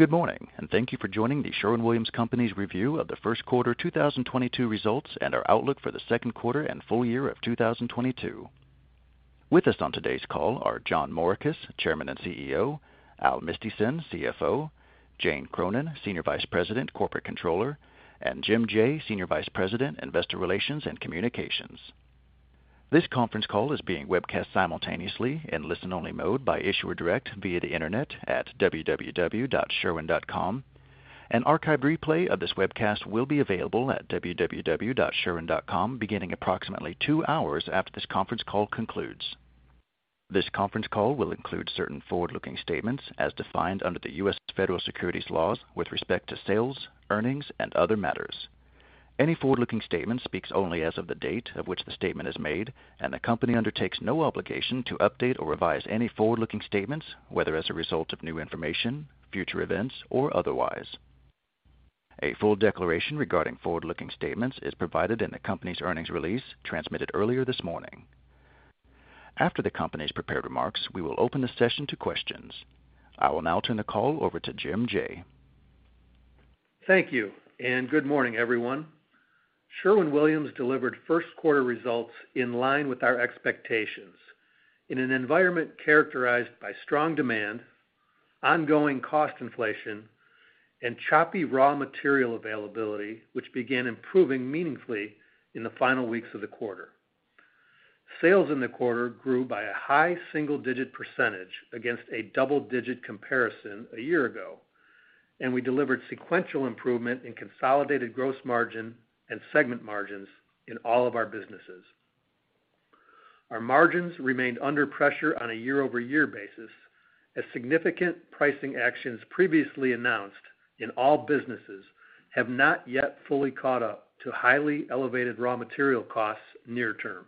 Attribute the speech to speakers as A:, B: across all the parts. A: Good morning, and thank you for joining The Sherwin-Williams Company's review of the 1st quarter 2022 results and our outlook for the 2nd quarter and full year of 2022. With us on today's call are John Morikis, Chairman and CEO, Al Mistysyn, CFO, Jane Cronin, Senior Vice President, Corporate Controller, and Jim Jaye, Senior Vice President, Investor Relations and Communications. This conference call is being webcast simultaneously in listen-only mode by Issuer Direct via the Internet at www.sherwin.com. An archived replay of this webcast will be available at www.sherwin.com beginning approximately 2 hours after this conference call concludes. This conference call will include certain forward-looking statements as defined under the U.S. Federal Securities laws with respect to sales, earnings, and other matters. Any forward-looking statement speaks only as of the date of which the statement is made, and the company undertakes no obligation to update or revise any forward-looking statements, whether as a result of new information, future events, or otherwise. A full declaration regarding forward-looking statements is provided in the company's earnings release transmitted earlier this morning. After the company's prepared remarks, we will open the session to questions. I will now turn the call over to Jim Jaye.
B: Thank you, and good morning, everyone. Sherwin-Williams delivered 1st quarter results in line with our expectations in an environment characterized by strong demand, ongoing cost inflation, and choppy raw material availability, which began improving meaningfully in the final weeks of the quarter. Sales in the quarter grew by a high single-digit percentage against a double-digit comparison a year ago, and we delivered sequential improvement in consolidated gross margin and segment margins in all of our businesses. Our margins remained under pressure on a year-over-year basis as significant pricing actions previously announced in all businesses have not yet fully caught up to highly elevated raw material costs near term.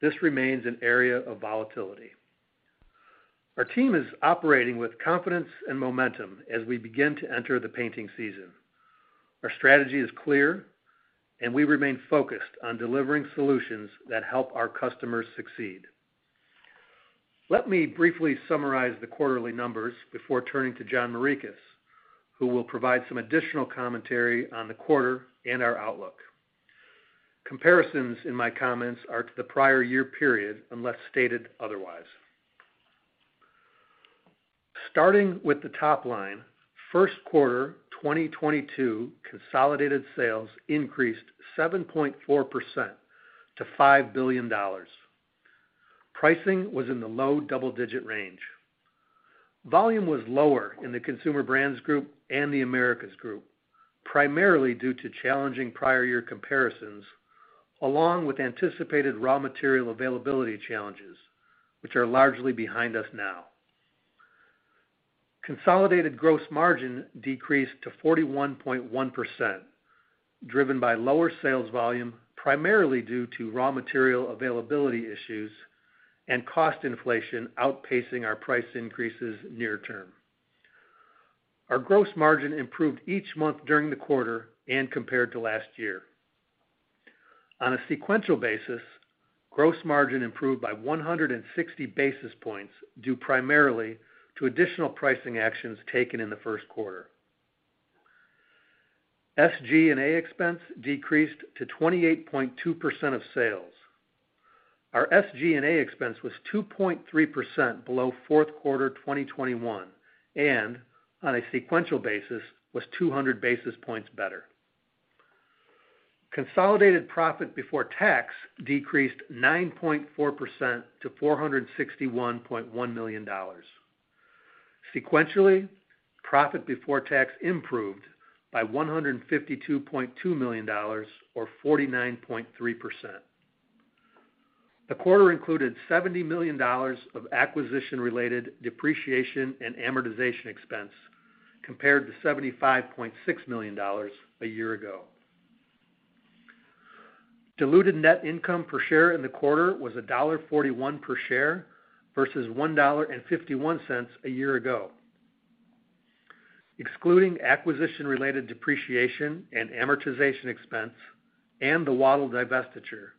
B: This remains an area of volatility. Our team is operating with confidence and momentum as we begin to enter the painting season. Our strategy is clear, and we remain focused on delivering solutions that help our customers succeed. Let me briefly summarize the quarterly numbers before turning to John Morikis, who will provide some additional commentary on the quarter and our outlook. Comparisons in my comments are to the prior year period, unless stated otherwise. Starting with the top line, 1st quarter 2022 consolidated sales increased 7.4% to $5 billion. Pricing was in the low double-digit range. Volume was lower in the Consumer Brands Group and the Americas Group, primarily due to challenging prior year comparisons, along with anticipated raw material availability challenges, which are largely behind us now. Consolidated gross margin decreased to 41.1%, driven by lower sales volume, primarily due to raw material availability issues and cost inflation outpacing our price increases near term. Our gross margin improved each month during the quarter and compared to last year. On a sequential basis, gross margin improved by 160 basis points, due primarily to additional pricing actions taken in the 1st quarter. SG&A expense decreased to 28.2% of sales. Our SG&A expense was 2.3% below 4th quarter 2021, and on a sequential basis was 200 basis points better. Consolidated profit before tax decreased 9.4% to $461.1 million. Sequentially, profit before tax improved by $152.2 million or 49.3%. The quarter included $70 million of acquisition-related depreciation and amortization expense compared to $75.6 million a year ago. Diluted net income per share in the quarter was $1.41 per share versus $1.51 a year ago. Excluding acquisition-related depreciation and amortization expense and the Wattyl divestiture,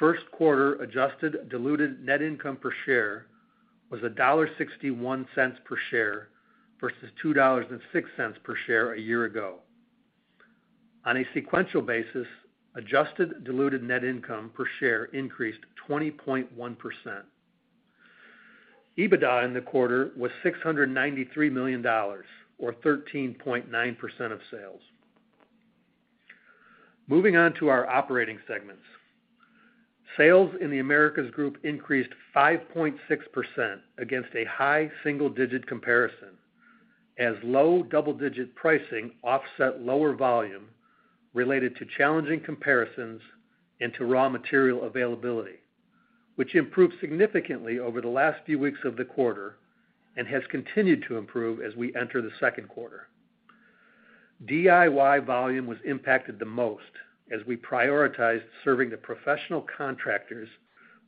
B: 1st quarter adjusted diluted net income per share was $1.61 per share versus $2.06 per share a year ago. On a sequential basis, adjusted diluted net income per share increased 20.1%. EBITDA in the quarter was $693 million or 13.9% of sales. Moving on to our operating segments. Sales in The Americas Group increased 5.6% against a high single-digit comparison as low double-digit pricing offset lower volume related to challenging comparisons and to raw material availability, which improved significantly over the last few weeks of the quarter and has continued to improve as we enter the 2nd quarter. DIY volume was impacted the most as we prioritized serving the professional contractors,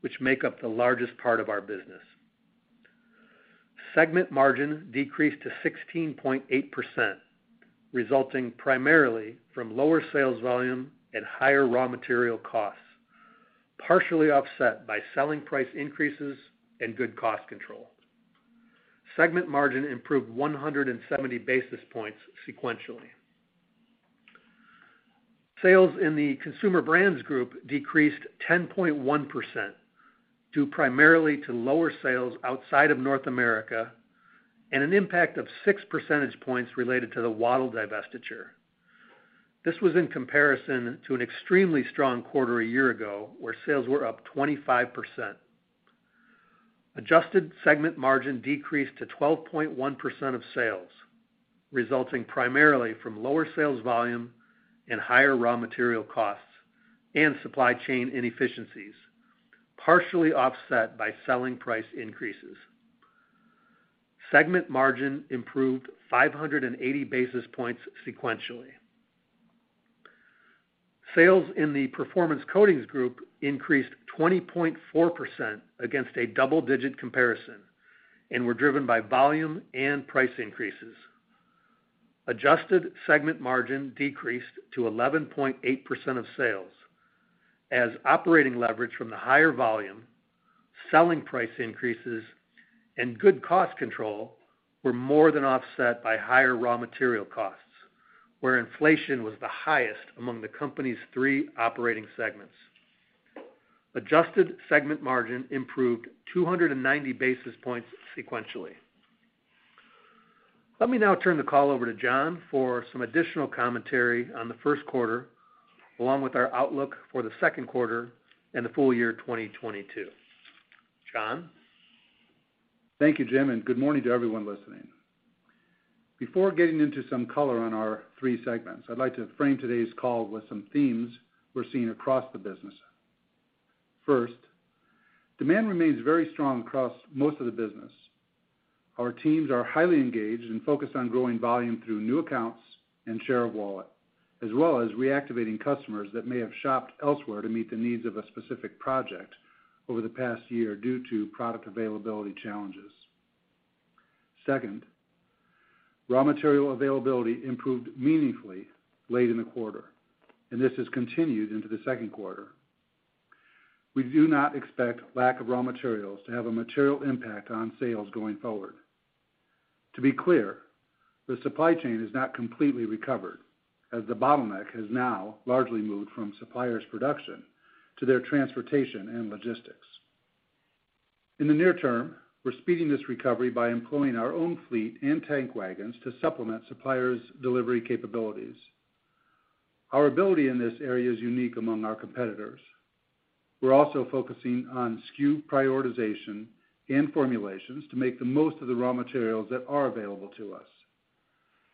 B: which make up the largest part of our business. Segment margin decreased to 16.8%, resulting primarily from lower sales volume and higher raw material costs. Partially offset by selling price increases and good cost control. Segment margin improved 170 basis points sequentially. Sales in the Consumer Brands Group decreased 10.1% due primarily to lower sales outside of North America and an impact of six percentage points related to the Wattyl divestiture. This was in comparison to an extremely strong quarter a year ago, where sales were up 25%. Adjusted segment margin decreased to 12.1% of sales, resulting primarily from lower sales volume and higher raw material costs and supply chain inefficiencies, partially offset by selling price increases. Segment margin improved 580 basis points sequentially. Sales in the Performance Coatings Group increased 20.4% against a double-digit comparison and were driven by volume and price increases. Adjusted segment margin decreased to 11.8% of sales as operating leverage from the higher volume, selling price increases, and good cost control were more than offset by higher raw material costs, where inflation was the highest among the company's three operating segments. Adjusted segment margin improved 290 basis points sequentially. Let me now turn the call over to John for some additional commentary on the 1st quarter, along with our outlook for the 2nd quarter and the full year 2022. John.
C: Thank you, Jim, and good morning to everyone listening. Before getting into some color on our three segments, I'd like to frame today's call with some themes we're seeing across the business. First, demand remains very strong across most of the business. Our teams are highly engaged and focused on growing volume through new accounts and share of wallet, as well as reactivating customers that may have shopped elsewhere to meet the needs of a specific project over the past year due to product availability challenges. Second, raw material availability improved meaningfully late in the quarter, and this has continued into the 2nd quarter. We do not expect lack of raw materials to have a material impact on sales going forward. To be clear, the supply chain is not completely recovered as the bottleneck has now largely moved from suppliers' production to their transportation and logistics. In the near term, we're speeding this recovery by employing our own fleet and tank wagons to supplement suppliers' delivery capabilities. Our ability in this area is unique among our competitors. We're also focusing on SKU prioritization and formulations to make the most of the raw materials that are available to us.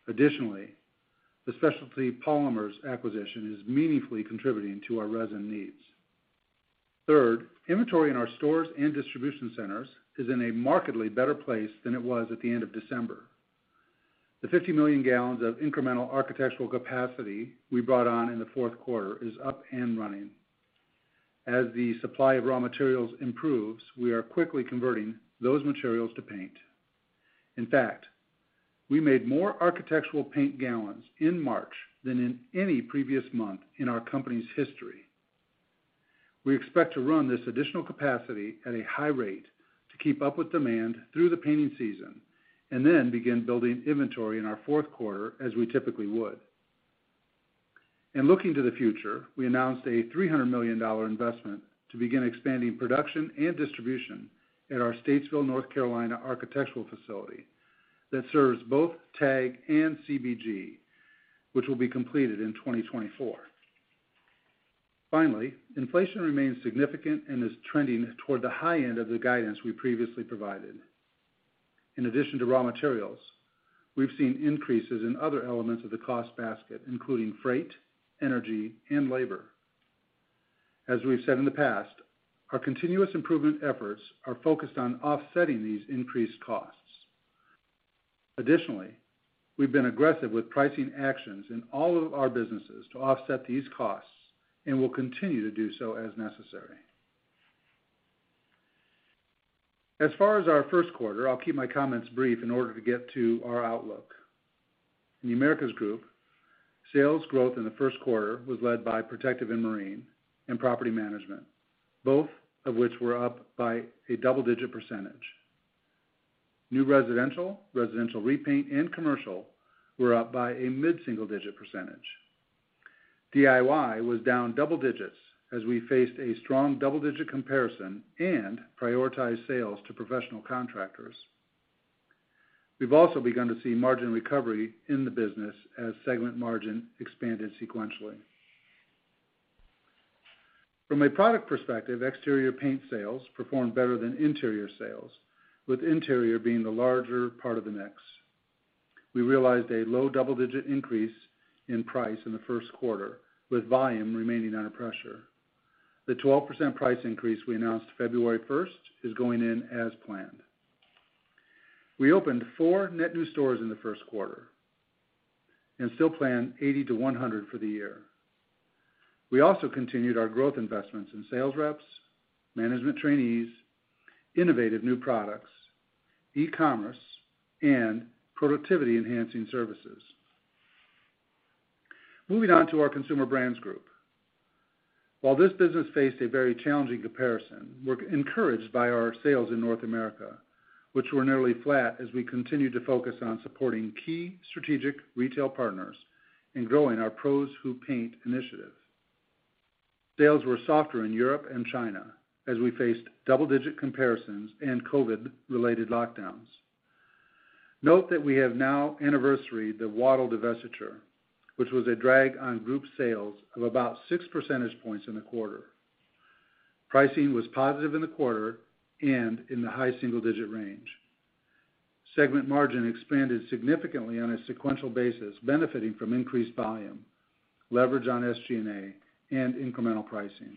C: Additionally, the Specialty Polymers acquisition is meaningfully contributing to our resin needs. Third, inventory in our stores and distribution centers is in a markedly better place than it was at the end of December. The 50 million gals of incremental architectural capacity we brought on in the 4th quarter is up and running. As the supply of raw materials improves, we are quickly converting those materials to paint. In fact, we made more architectural paint gals in March than in any previous month in our company's history. We expect to run this additional capacity at a high rate to keep up with demand through the painting season, and then begin building inventory in our 4th quarter as we typically would. Looking to the future, we announced a $300 million investment to begin expanding production and distribution at our Statesville, North Carolina architectural facility that serves both TAG and CBG, which will be completed in 2024. Finally, inflation remains significant and is trending toward the high end of the guidance we previously provided. In addition to raw materials, we've seen increases in other elements of the cost basket, including freight, energy, and labor. As we've said in the past, our continuous improvement efforts are focused on offsetting these increased costs. Additionally, we've been aggressive with pricing actions in all of our businesses to offset these costs and will continue to do so as necessary. As far as our 1st quarter, I'll keep my comments brief in order to get to our outlook. In The Americas Group, sales growth in the 1st quarter was led by Protective & Marine and property management, both of which were up by a double-digit percentage. New residential repaint, and commercial were up by a mid-single digit percentage. DIY was down double digits as we faced a strong double-digit comparison and prioritized sales to professional contractors. We've also begun to see margin recovery in the business as segment margin expanded sequentially. From a product perspective, exterior paint sales performed better than interior sales, with interior being the larger part of the mix. We realized a low double-digit increase in price in the 1st quarter, with volume remaining under pressure. The 12% price increase we announced February 1st is going in as planned. We opened four net new stores in the 1st quarter and still plan 80-100 for the year. We also continued our growth investments in sales reps, management trainees, innovative new products, e-commerce, and productivity enhancing services. Moving on to our Consumer Brands Group. While this business faced a very challenging comparison, we're encouraged by our sales in North America, which were nearly flat as we continued to focus on supporting key strategic retail partners in growing our Pros Who Paint initiative. Sales were softer in Europe and China as we faced double-digit comparisons and COVID-related lockdowns. Note that we have now anniversaried the Wattyl divestiture, which was a drag on group sales of about six percentage points in the quarter. Pricing was positive in the quarter and in the high single-digit range. Segment margin expanded significantly on a sequential basis, benefiting from increased volume, leverage on SG&A, and incremental pricing.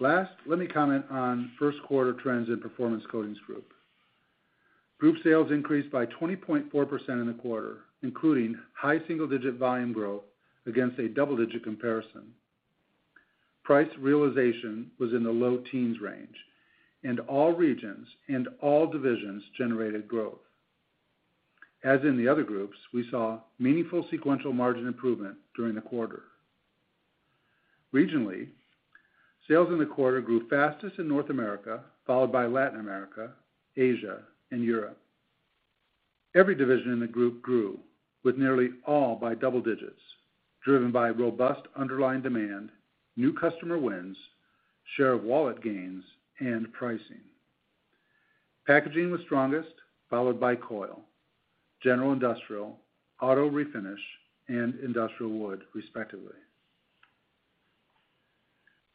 C: Last, let me comment on 1st quarter trends in Performance Coatings Group. Group sales increased by 20.4% in the quarter, including high single-digit volume growth against a double-digit comparison. Price realization was in the low teens range, and all regions and all divisions generated growth. As in the other groups, we saw meaningful sequential margin improvement during the quarter. Regionally, sales in the quarter grew fastest in North America, followed by Latin America, Asia, and Europe. Every division in the group grew, with nearly all by double digits, driven by robust underlying demand, new customer wins, share of wallet gains, and pricing. Packaging was strongest, followed by coil, general industrial, auto refinish, and industrial wood, respectively.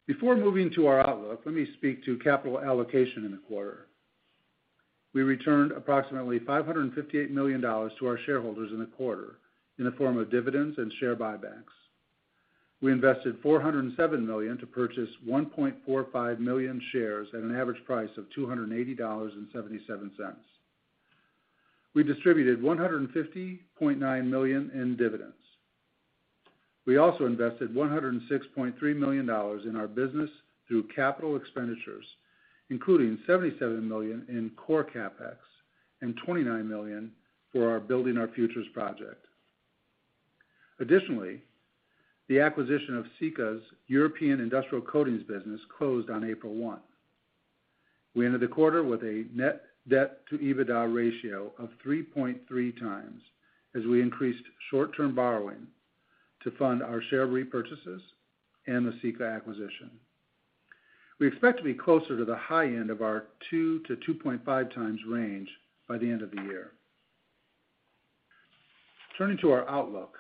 C: Before moving to our outlook, let me speak to capital allocation in the quarter. We returned approximately $558 million to our shareholders in the quarter in the form of dividends and share buybacks. We invested $407 million to purchase 1.45 million shares at an average price of $280.77. We distributed $150.9 million in dividends. We also invested $106.3 million in our business through capital expenditures, including $77 million in core CapEx and $29 million for our Building Our Future project. Additionally, the acquisition of Sika's European Industrial Coatings business closed on April 1. We ended the quarter with a net debt to EBITDA ratio of 3.3x as we increased short-term borrowing to fund our share repurchases and the Sika acquisition. We expect to be closer to the high end of our 2x-2.5x range by the end of the year. Turning to our outlook.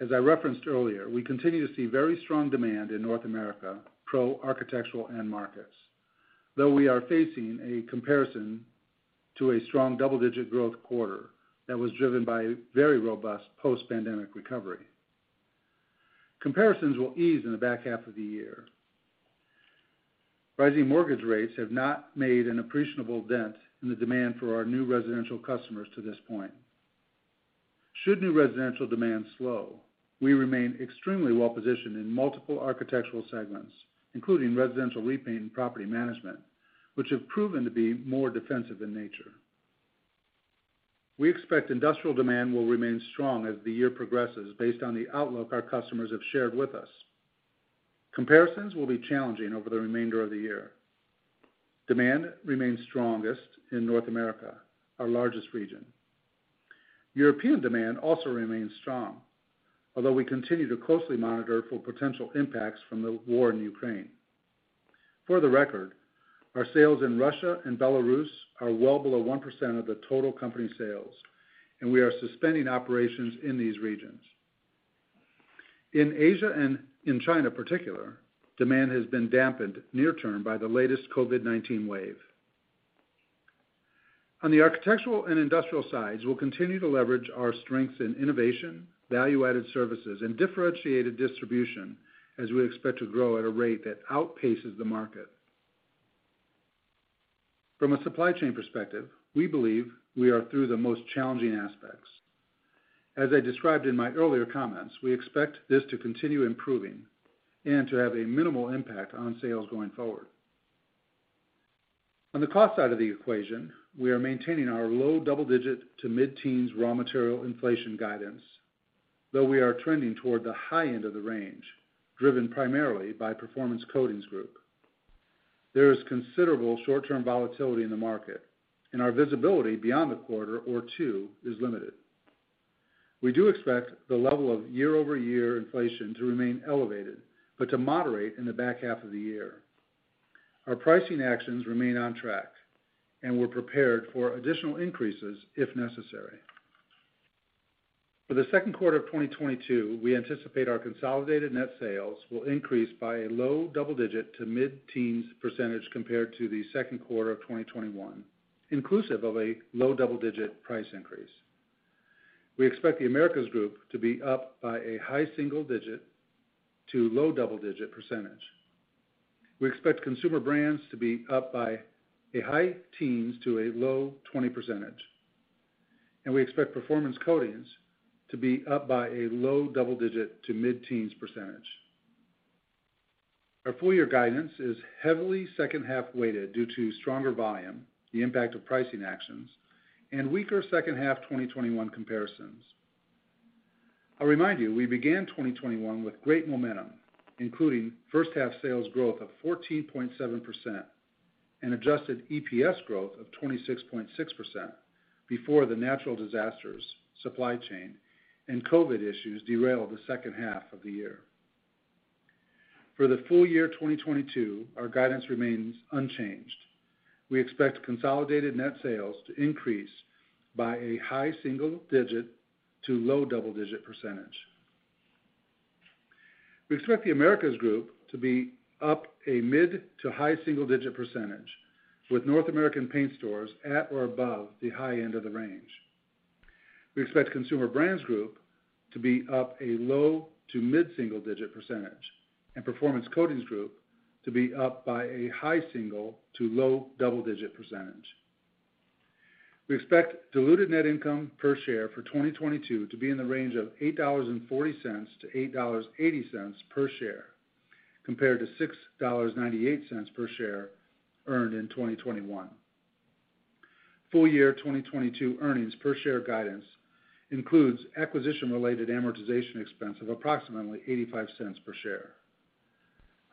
C: As I referenced earlier, we continue to see very strong demand in North America, Pro, Architectural, and Markets, though we are facing a comparison to a strong double-digit growth quarter that was driven by very robust post-pandemic recovery. Comparisons will ease in the back half of the year. Rising mortgage rates have not made an appreciable dent in the demand for our new residential customers to this point. Should new residential demand slow, we remain extremely well positioned in multiple architectural segments, including residential repaint and property management, which have proven to be more defensive in nature. We expect industrial demand will remain strong as the year progresses based on the outlook our customers have shared with us. Comparisons will be challenging over the remainder of the year. Demand remains strongest in North America, our largest region. European demand also remains strong, although we continue to closely monitor for potential impacts from the war in Ukraine. For the record, our sales in Russia and Belarus are well below 1% of the total company sales, and we are suspending operations in these regions. In Asia and in China particular, demand has been dampened near term by the latest COVID-19 wave. On the architectural and industrial sides, we'll continue to leverage our strengths in innovation, value-added services, and differentiated distribution as we expect to grow at a rate that outpaces the market. From a supply chain perspective, we believe we are through the most challenging aspects. As I described in my earlier comments, we expect this to continue improving and to have a minimal impact on sales going forward. On the cost side of the equation, we are maintaining our low double-digit to mid-teens raw material inflation guidance, though we are trending toward the high end of the range, driven primarily by Performance Coatings Group. There is considerable short-term volatility in the market, and our visibility beyond a quarter or two is limited. We do expect the level of year-over-year inflation to remain elevated, but to moderate in the back half of the year. Our pricing actions remain on track and we're prepared for additional increases if necessary. For the 2nd quarter of 2022, we anticipate our consolidated net sales will increase by a low double-digit to mid-teens percentage compared to the 2nd quarter of 2021, inclusive of a low double-digit price increase. We expect The Americas Group to be up by a high single-digit to low double-digit percentage. We expect Consumer Brands to be up by a high teens to a low 20 percentage, and we expect Performance Coatings to be up by a low double-digit to mid-teens percentage. Our full year guidance is heavily 2nd half weighted due to stronger volume, the impact of pricing actions, and weaker 2nd half 2021 comparisons. I'll remind you, we began 2021 with great momentum, including 1st half sales growth of 14.7% and adjusted EPS growth of 26.6% before the natural disasters, supply chain, and COVID issues derailed the 2nd half of the year. For the full year 2022, our guidance remains unchanged. We expect consolidated net sales to increase by a high single-digit to low double-digit percentage. We expect The Americas Group to be up a mid- to high single-digit percentage, with North American Paint Stores at or above the high end of the range. We expect Consumer Brands Group to be up a low- to mid single-digit percentage, and Performance Coatings Group to be up by a high single- to low double-digit percentage. We expect diluted net income per share for 2022 to be in the range of $8.40-$8.80 per share, compared to $6.98 per share earned in 2021. Full year 2022 earnings per share guidance includes acquisition related amortization expense of approximately $0.85 per share.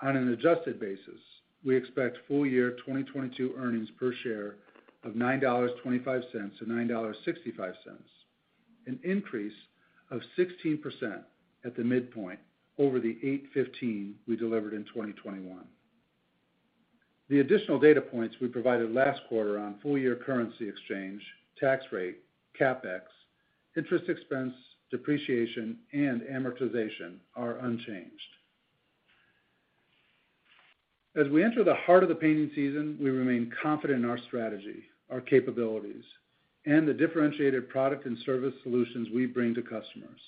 C: On an adjusted basis, we expect full year 2022 earnings per share of $9.25-$9.65, an increase of 16% at the midpoint over the $8.15 we delivered in 2021. The additional data points we provided last quarter on full year currency exchange, tax rate, CapEx, interest expense, depreciation, and amortization are unchanged. As we enter the heart of the painting season, we remain confident in our strategy, our capabilities, and the differentiated product and service solutions we bring to customers.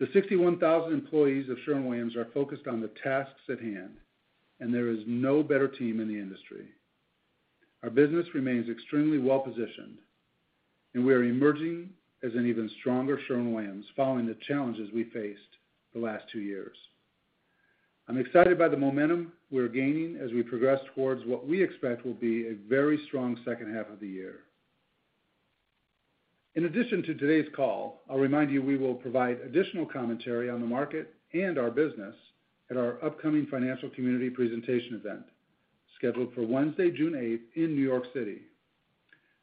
C: The 61,000 employees of Sherwin-Williams are focused on the tasks at hand, and there is no better team in the industry. Our business remains extremely well-positioned, and we are emerging as an even stronger Sherwin-Williams following the challenges we faced the last two years. I'm excited by the momentum we're gaining as we progress towards what we expect will be a very strong 2nd half of the year. In addition to today's call, I'll remind you, we will provide additional commentary on the market and our business at our upcoming financial community presentation event scheduled for Wednesday, June 8 in New York City.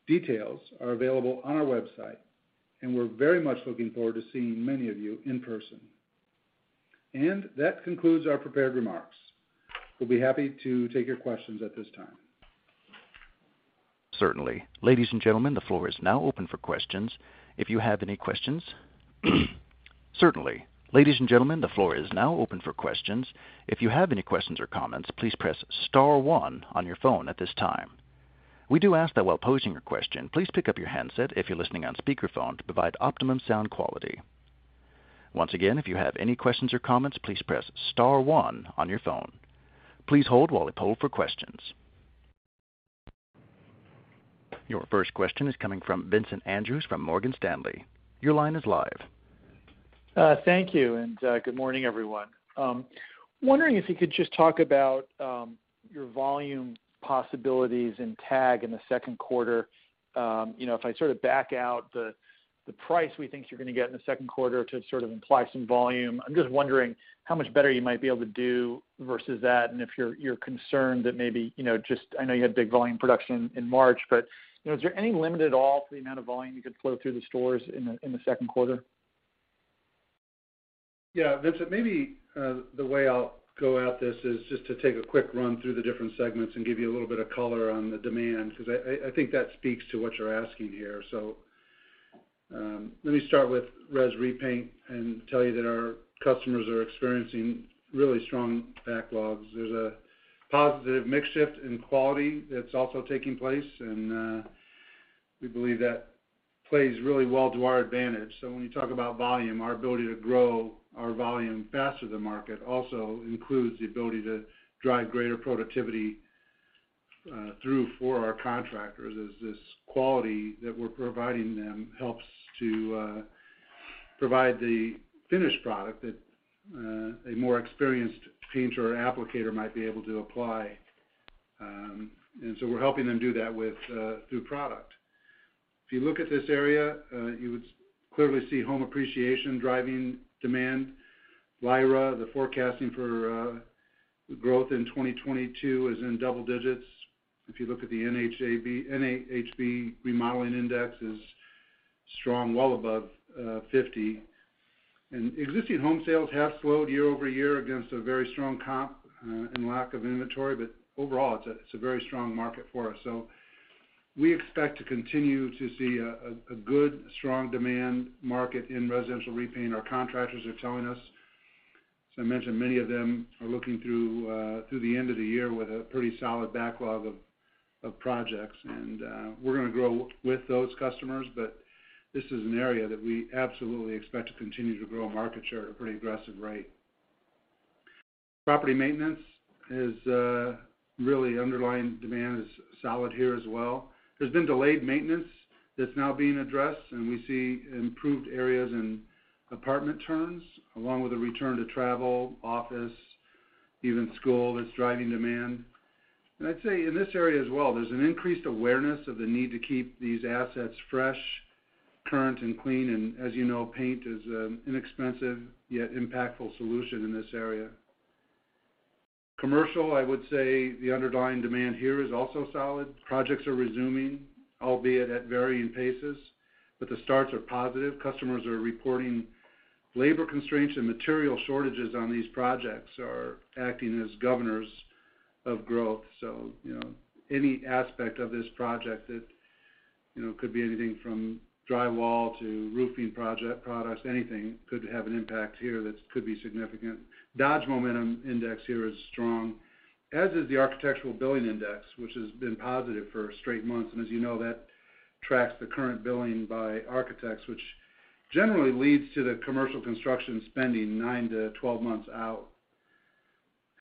C: Details are available on our website, and we're very much looking forward to seeing many of you in person. That concludes our prepared remarks. We'll be happy to take your questions at this time.
A: Certainly. Ladies and gentlemen, the floor is now open for questions. If you have any questions or comments, please press star one on your phone at this time. We do ask that while posing your question, please pick up your handset if you're listening on speakerphone to provide optimum sound quality. Once again, if you have any questions or comments, please press star one on your phone. Please hold while we poll for questions. Your 1st question is coming from Vincent Andrews from Morgan Stanley. Your line is live.
D: Thank you, and good morning, everyone. I'm wondering if you could just talk about your volume possibilities in TAG in the 2nd quarter. You know, if I sort of back out the price we think you're gonna get in the 2nd quarter to sort of imply some volume, I'm just wondering how much better you might be able to do versus that, and if you're concerned that maybe, you know, I know you had big volume production in March, but, you know, is there any limit at all to the amount of volume you could flow through the stores in the 2nd quarter?
C: Yeah. Vincent, maybe the way I'll go at this is just to take a quick run through the different segments and give you a little bit of color on the demand, 'cause I think that speaks to what you're asking here. Let me start with Res Repaint and tell you that our customers are experiencing really strong backlogs. There's a positive mix shift in quality that's also taking place, and we believe that plays really well to our advantage. When you talk about volume, our ability to grow our volume faster than market also includes the ability to drive greater productivity throughput for our contractors as this quality that we're providing them helps to provide the finished product that a more experienced painter or applicator might be able to apply. We're helping them do that with through product. If you look at this area, you would clearly see home appreciation driving demand. LIRA, the forecasting for growth in 2022 is in double digits. If you look at the NAHB remodeling index is strong, well above 50. Existing home sales have slowed year-over-year against a very strong comp and lack of inventory. Overall, it's a very strong market for us. We expect to continue to see a good strong demand market in residential repaint. Our contractors are telling us, as I mentioned, many of them are looking through the end of the year with a pretty solid backlog of projects. We're gonna grow with those customers, but this is an area that we absolutely expect to continue to grow market share at a pretty aggressive rate. Property maintenance is really underlying demand is solid here as well. There's been delayed maintenance that's now being addressed, and we see improved areas in apartment turns, along with a return to travel, office, even school that's driving demand. I'd say in this area as well, there's an increased awareness of the need to keep these assets fresh, current and clean. As you know, paint is inexpensive, yet impactful solution in this area. Commercial, I would say the underlying demand here is also solid. Projects are resuming, albeit at varying paces, but the starts are positive. Customers are reporting labor constraints and material shortages on these projects are acting as governors of growth. You know, any aspect of this project that, you know, could be anything from drywall to roofing products, anything could have an impact here that could be significant. Dodge Momentum Index here is strong, as is the Architecture Billings Index, which has been positive for straight months. As you know, that tracks the current billing by architects, which generally leads to the commercial construction spending 9-12 months out.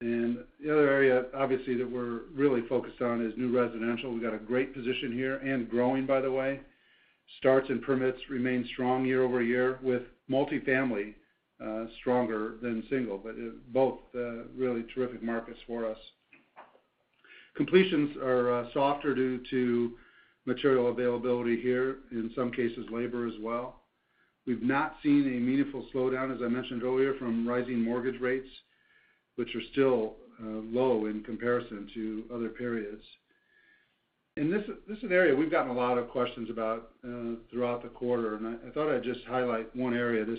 C: The other area, obviously, that we're really focused on is new residential. We've got a great position here and growing, by the way. Starts and permits remain strong year-over-year, with multifamily stronger than single. Both really terrific markets for us. Completions are softer due to material availability here, in some cases, labor as well. We've not seen a meaningful slowdown, as I mentioned earlier, from rising mortgage rates, which are still low in comparison to other periods. This is an area we've gotten a lot of questions about throughout the quarter, and I thought I'd just highlight one area. This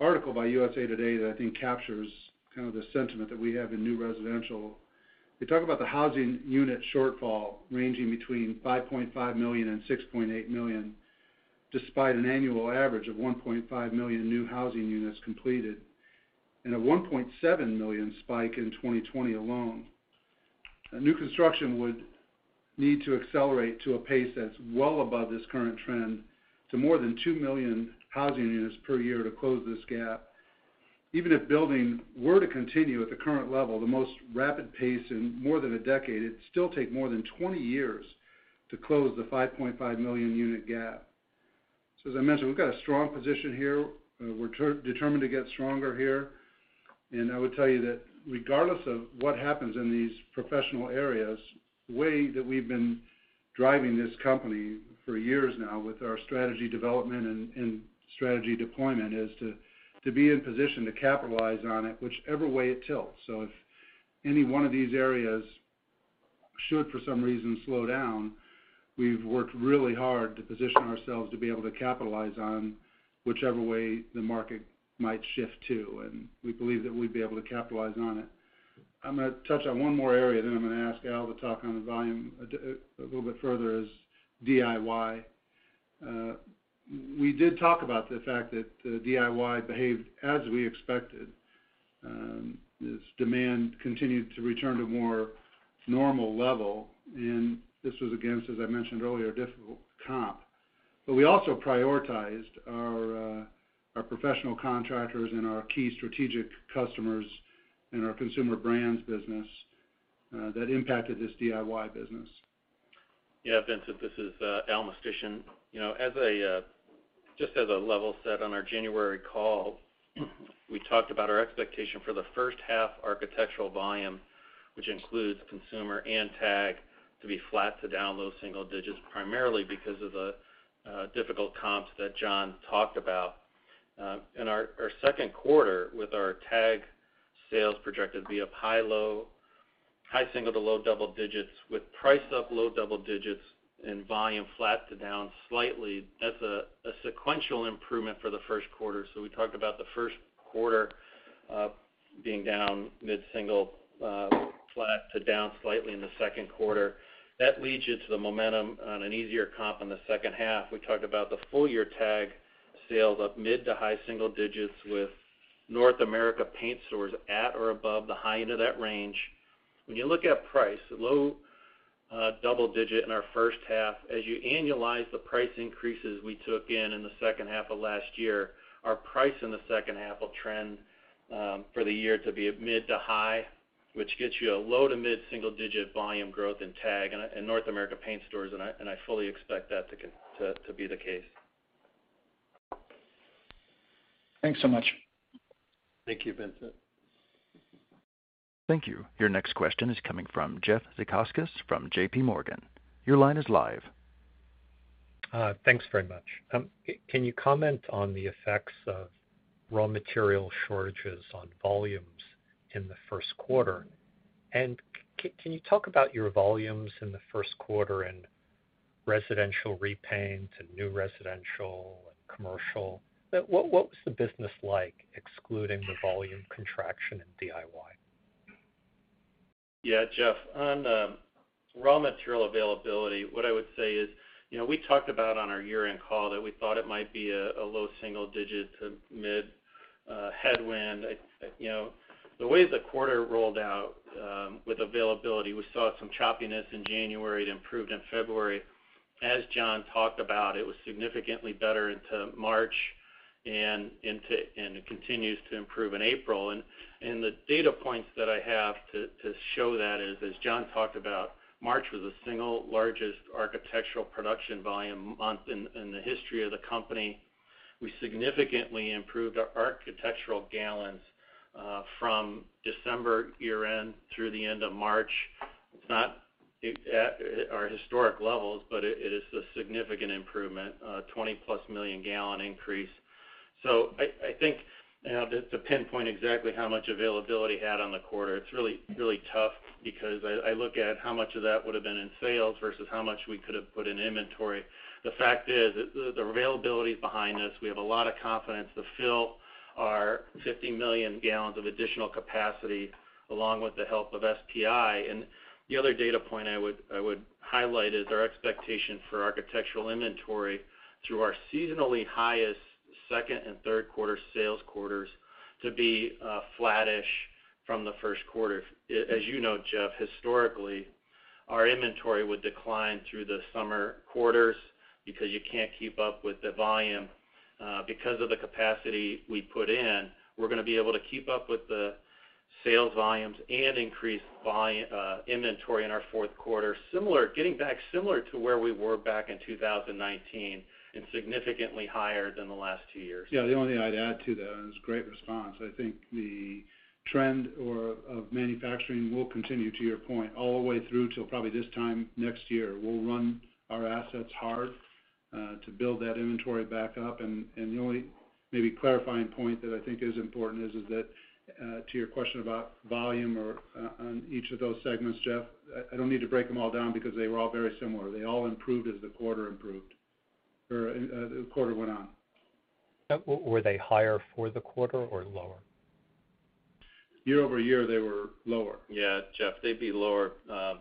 C: article by U.S.A. Today that I think captures kind of the sentiment that we have in new residential. They talk about the housing unit shortfall ranging between 5.5 million-6.8 million, despite an annual average of 1.5 million new housing units completed and a 1.7 million spike in 2020 alone. New construction would need to accelerate to a pace that's well above this current trend to more than 2 million housing units per year to close this gap. Even if building were to continue at the current level, the most rapid pace in more than a decade, it'd still take more than 20 years to close the 5.5 million unit gap. As I mentioned, we've got a strong position here. We're determined to get stronger here. I would tell you that regardless of what happens in these professional areas, the way that we've been driving this company for years now with our strategy development and strategy deployment is to be in position to capitalize on it whichever way it tilts. If any one of these areas should, for some reason, slow down, we've worked really hard to position ourselves to be able to capitalize on whichever way the market might shift to, and we believe that we'd be able to capitalize on it. I'm gonna touch on one more area, then I'm gonna ask Al to talk on the volume and a little bit further is DIY. We did talk about the fact that DIY behaved as we expected, as demand continued to return to more normal level, and this was against, as I mentioned earlier, a difficult comp. We also prioritized our professional contractors and our key strategic customers and our consumer brands business that impacted this DIY business.
E: Yeah, Vincent, this is Al Mistysyn. You know, as a just as a level set on our January call, we talked about our expectation for the 1st half architectural volume, which includes Consumer and TAG, to be flat to down low single digits, primarily because of the difficult comps that John talked about. In our 2nd quarter with our TAG sales projected to be up high single to low double digits with price up low double digits and volume flat to down slightly. That's a sequential improvement for the 1st quarter. We talked about the 1st quarter being down mid-single flat to down slightly in the 2nd quarter. That leads you to the momentum on an easier comp in the 2nd half. We talked about the full year TAG sales up mid- to high-single-digit with North America Paint Stores at or above the high end of that range. When you look at price, low-double-digit in our 1st half. As you annualize the price increases we took in the 2nd half of last year, our price in the 2nd half will trend for the year to be at mid- to high-single-digit, which gets you a low- to mid-single-digit volume growth in TAG and North America Paint Stores, and I fully expect that to be the case.
D: Thanks so much.
E: Thank you, Vincent.
A: Thank you. Your next question is coming from Jeff Zekauskas from J.P. Morgan. Your line is live.
F: Thanks very much. Can you comment on the effects of raw material shortages on volumes in the 1st quarter? Can you talk about your volumes in the 1st quarter and residential repaint and new residential and commercial? What was the business like excluding the volume contraction in DIY?
E: Yeah, Jeff. On the raw material availability, what I would say is, you know, we talked about on our year-end call that we thought it might be a low single digit to mid headwind. You know, the way the quarter rolled out with availability, we saw some choppiness in January, it improved in February. As John talked about, it was significantly better into March and it continues to improve in April. The data points that I have to show that is, as John talked about, March was the single largest architectural production volume month in the history of the company. We significantly improved our architectural gals from December year-end through the end of March. It's not at our historic levels, but it is a significant improvement, 20+ million gals increase. I think, you know, just to pinpoint exactly how much availability had on the quarter, it's really tough because I look at how much of that would've been in sales versus how much we could have put in inventory. The fact is the availability behind this, we have a lot of confidence to fill our 50 million gals of additional capacity along with the help of SPI. The other data point I would highlight is our expectation for architectural inventory through our seasonally highest 2nd and 3rd quarter sales quarters to be flattish from the 1st quarter. As you know, Jeff, historically, our inventory would decline through the summer quarters because you can't keep up with the volume. Because of the capacity we put in, we're gonna be able to keep up with the sales volumes and increase our inventory in our 4th quarter, getting back similar to where we were back in 2019 and significantly higher than the last two years.
C: Yeah. The only thing I'd add to that, and it's a great response. I think the trend of manufacturing will continue, to your point, all the way through till probably this time next year. We'll run our assets hard to build that inventory back up. The only maybe clarifying point that I think is important is that to your question about volume or on each of those segments, Jeff, I don't need to break them all down because they were all very similar. They all improved as the quarter improved or the quarter went on.
F: Were they higher for the quarter or lower?
C: year-over-year, they were lower.
E: Yeah, Jeff, they'd be lower,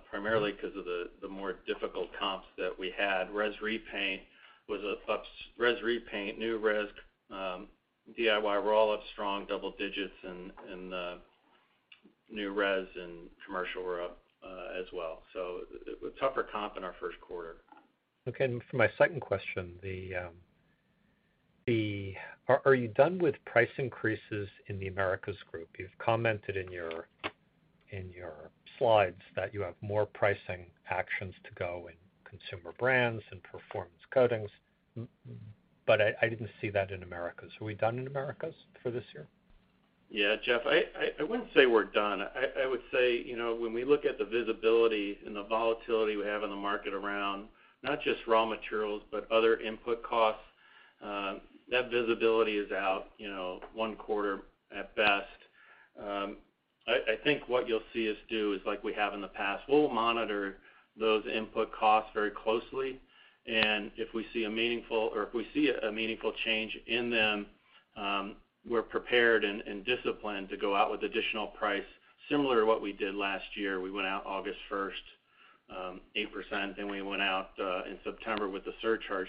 E: primarily 'cause of the more difficult comps that we had. Res repaint, new res, DIY were all up strong double digits and new res and commercial were up as well. It was tougher comp in our 1st quarter.
F: Okay. For my 2nd question, are you done with price increases in The Americas Group? You've commented in your slides that you have more pricing actions to go in Consumer Brands Group and Performance Coatings Group.
E: Mm-hmm.
F: I didn't see that in Americas. Are we done in Americas for this year?
E: Yeah, Jeff, I wouldn't say we're done. I would say, you know, when we look at the visibility and the volatility we have in the market around, not just raw materials, but other input costs, that visibility is out, you know, one quarter at best. I think what you'll see us do is like we have in the past. We'll monitor those input costs very closely, and if we see a meaningful change in them, we're prepared and disciplined to go out with additional price similar to what we did last year. We went out August 1st, 8%, then we went out in September with the surcharge.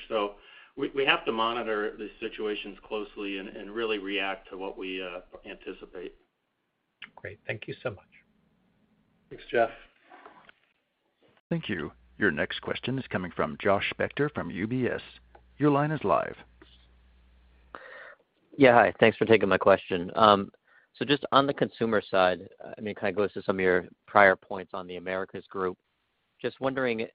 E: We have to monitor the situations closely and really react to what we anticipate.
F: Great. Thank you so much.
E: Thanks, Jeff.
A: Thank you. Your next question is coming from Josh Spector from UBS. Your line is live.
G: Hi. Thanks for taking my question. Just on the consumer side, I mean, it kind of goes to some of your prior points on the Americas Group. Just wondering,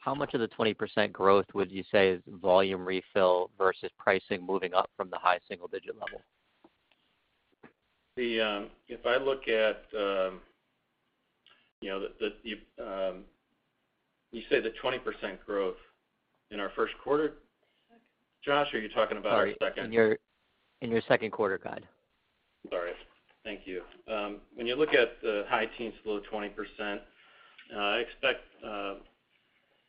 G: how much of the 20% growth would you say is volume refill versus pricing moving up from the high single-digit level?
E: If I look at, you know, you say the 20% growth in our 1st quarter? Josh, are you talking about our 2nd?
G: Sorry, in your 2nd quarter guide.
E: Sorry. Thank you. When you look at the high teens, low 20%, I expect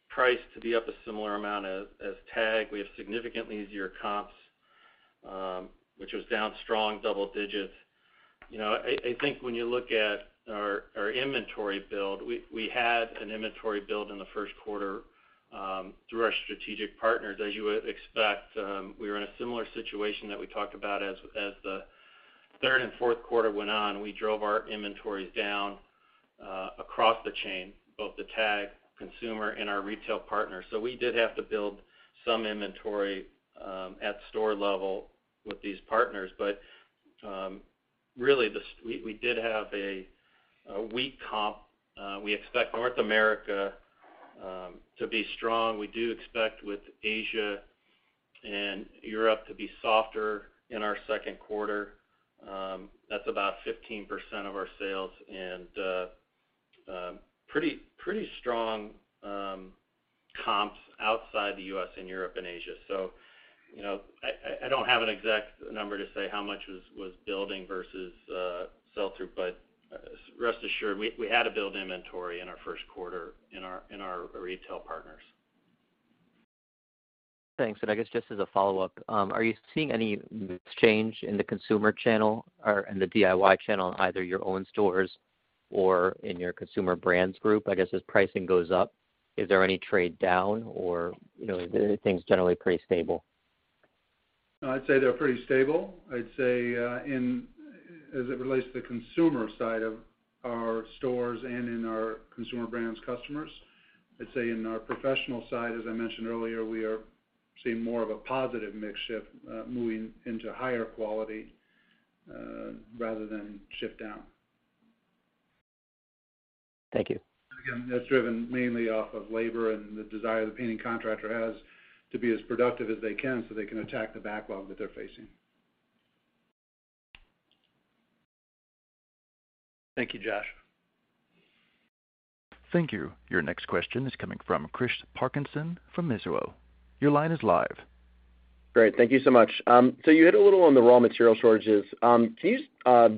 E: price to be up a similar amount as TAG. We have significantly easier comps, which was down strong double digits. You know, I think when you look at our inventory build, we had an inventory build in the 1st quarter through our strategic partners, as you would expect. We were in a similar situation that we talked about as the 3rd and 4th quarter went on. We drove our inventories down across the chain, both the TAG, Consumer, and our retail partners. We did have to build some inventory at store level with these partners. But really, we did have a weak comp. We expect North America to be strong. We do expect with Asia and Europe to be softer in our 2nd quarter. That's about 15% of our sales and pretty strong comps outside the U.S. and Europe and Asia. You know, I don't have an exact number to say how much was building versus sell-through, but rest assured, we had to build inventory in our 1st quarter in our retail partners.
G: Thanks. I guess just as a follow-up, are you seeing any change in the consumer channel or in the DIY channel, either your own stores or in your Consumer Brands Group? I guess as pricing goes up, is there any trade down or, you know, are things generally pretty stable?
C: I'd say they're pretty stable. I'd say, as it relates to the consumer side of our stores and in our consumer brands customers. I'd say in our professional side, as I mentioned earlier, we are seeing more of a positive mix shift, moving into higher quality, rather than shift down.
G: Thank you.
C: Again, that's driven mainly off of labor and the desire the painting contractor has to be as productive as they can so they can attack the backlog that they're facing.
E: Thank you, Josh.
A: Thank you. Your next question is coming from Chris Parkinson from Mizuho. Your line is live.
H: Great. Thank you so much. You hit a little on the raw material shortages. Can you just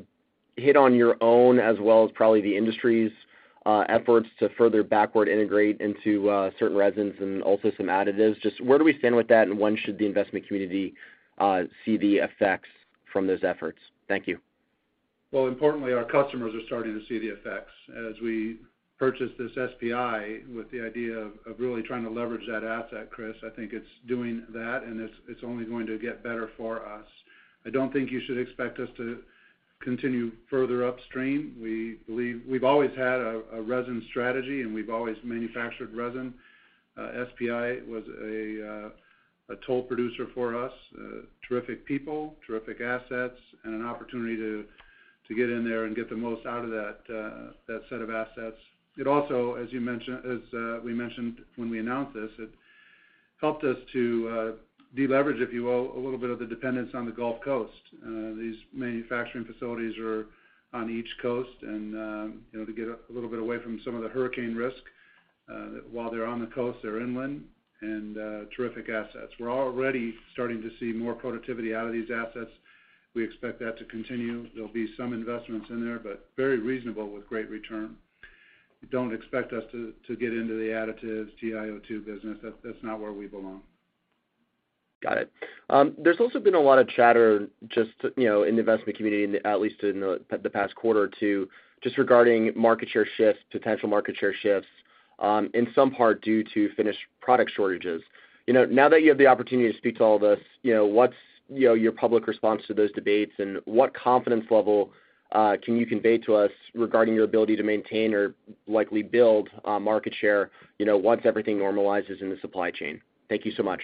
H: hit on your own as well as probably the industry's efforts to further backward integrate into certain resins and also some additives? Just where do we stand with that, and when should the investment community see the effects from those efforts? Thank you.
C: Well, importantly, our customers are starting to see the effects. As we purchased this SPI with the idea of really trying to leverage that asset, Chris, I think it's doing that, and it's only going to get better for us. I don't think you should expect us to continue further upstream. We believe we've always had a resin strategy, and we've always manufactured resin. SPI was a toll producer for us. Terrific people, terrific assets, and an opportunity to get in there and get the most out of that set of assets. It also, as you mention, as we mentioned when we announced this, it helped us to deleverage, if you will, a little bit of the dependence on the Gulf Coast. These manufacturing facilities are on each coast and, you know, to get a little bit away from some of the hurricane risk, while they're on the coast, they're inland and, terrific assets. We're already starting to see more productivity out of these assets. We expect that to continue. There'll be some investments in there, but very reasonable with great return. Don't expect us to get into the additives, TiO2 business. That's not where we belong.
H: Got it. There's also been a lot of chatter just, you know, in the investment community, at least in the past quarter or two, just regarding market share shifts, potential market share shifts, in some part due to finished product shortages. You know, now that you have the opportunity to speak to all of us, you know, what's your public response to those debates, and what confidence level can you convey to us regarding your ability to maintain or likely build market share, you know, once everything normalizes in the supply chain? Thank you so much.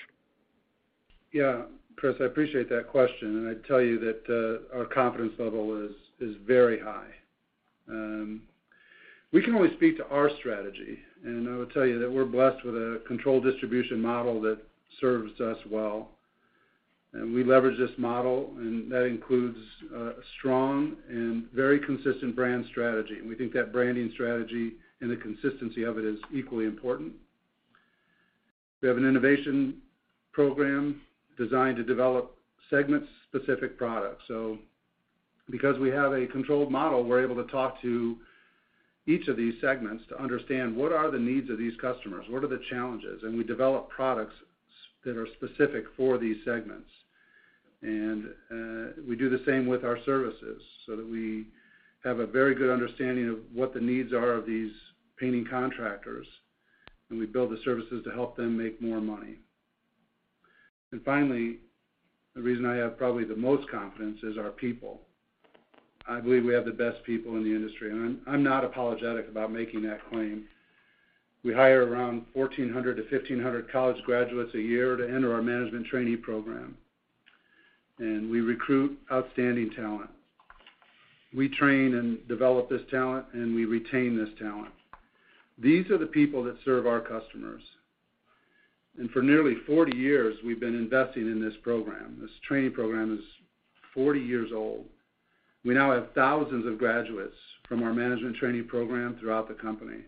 C: Yeah, Chris, I appreciate that question, and I'd tell you that our confidence level is very high. We can only speak to our strategy, and I would tell you that we're blessed with a controlled distribution model that serves us well. We leverage this model, and that includes a strong and very consistent brand strategy. We think that branding strategy and the consistency of it is equally important. We have an innovation program designed to develop segment-specific products. Because we have a controlled model, we're able to talk to each of these segments to understand what are the needs of these customers, what are the challenges, and we develop products that are specific for these segments. We do the same with our services so that we have a very good understanding of what the needs are of these painting contractors, and we build the services to help them make more money. Finally, the reason I have probably the most confidence is our people. I believe we have the best people in the industry, and I'm not apologetic about making that claim. We hire around 1,400 to 1,500 college graduates a year to enter our management trainee program, and we recruit outstanding talent. We train and develop this talent, and we retain this talent. These are the people that serve our customers. For nearly 40 years, we've been investing in this program. This training program is 40 years old. We now have thousands of graduates from our management trainee program throughout the company.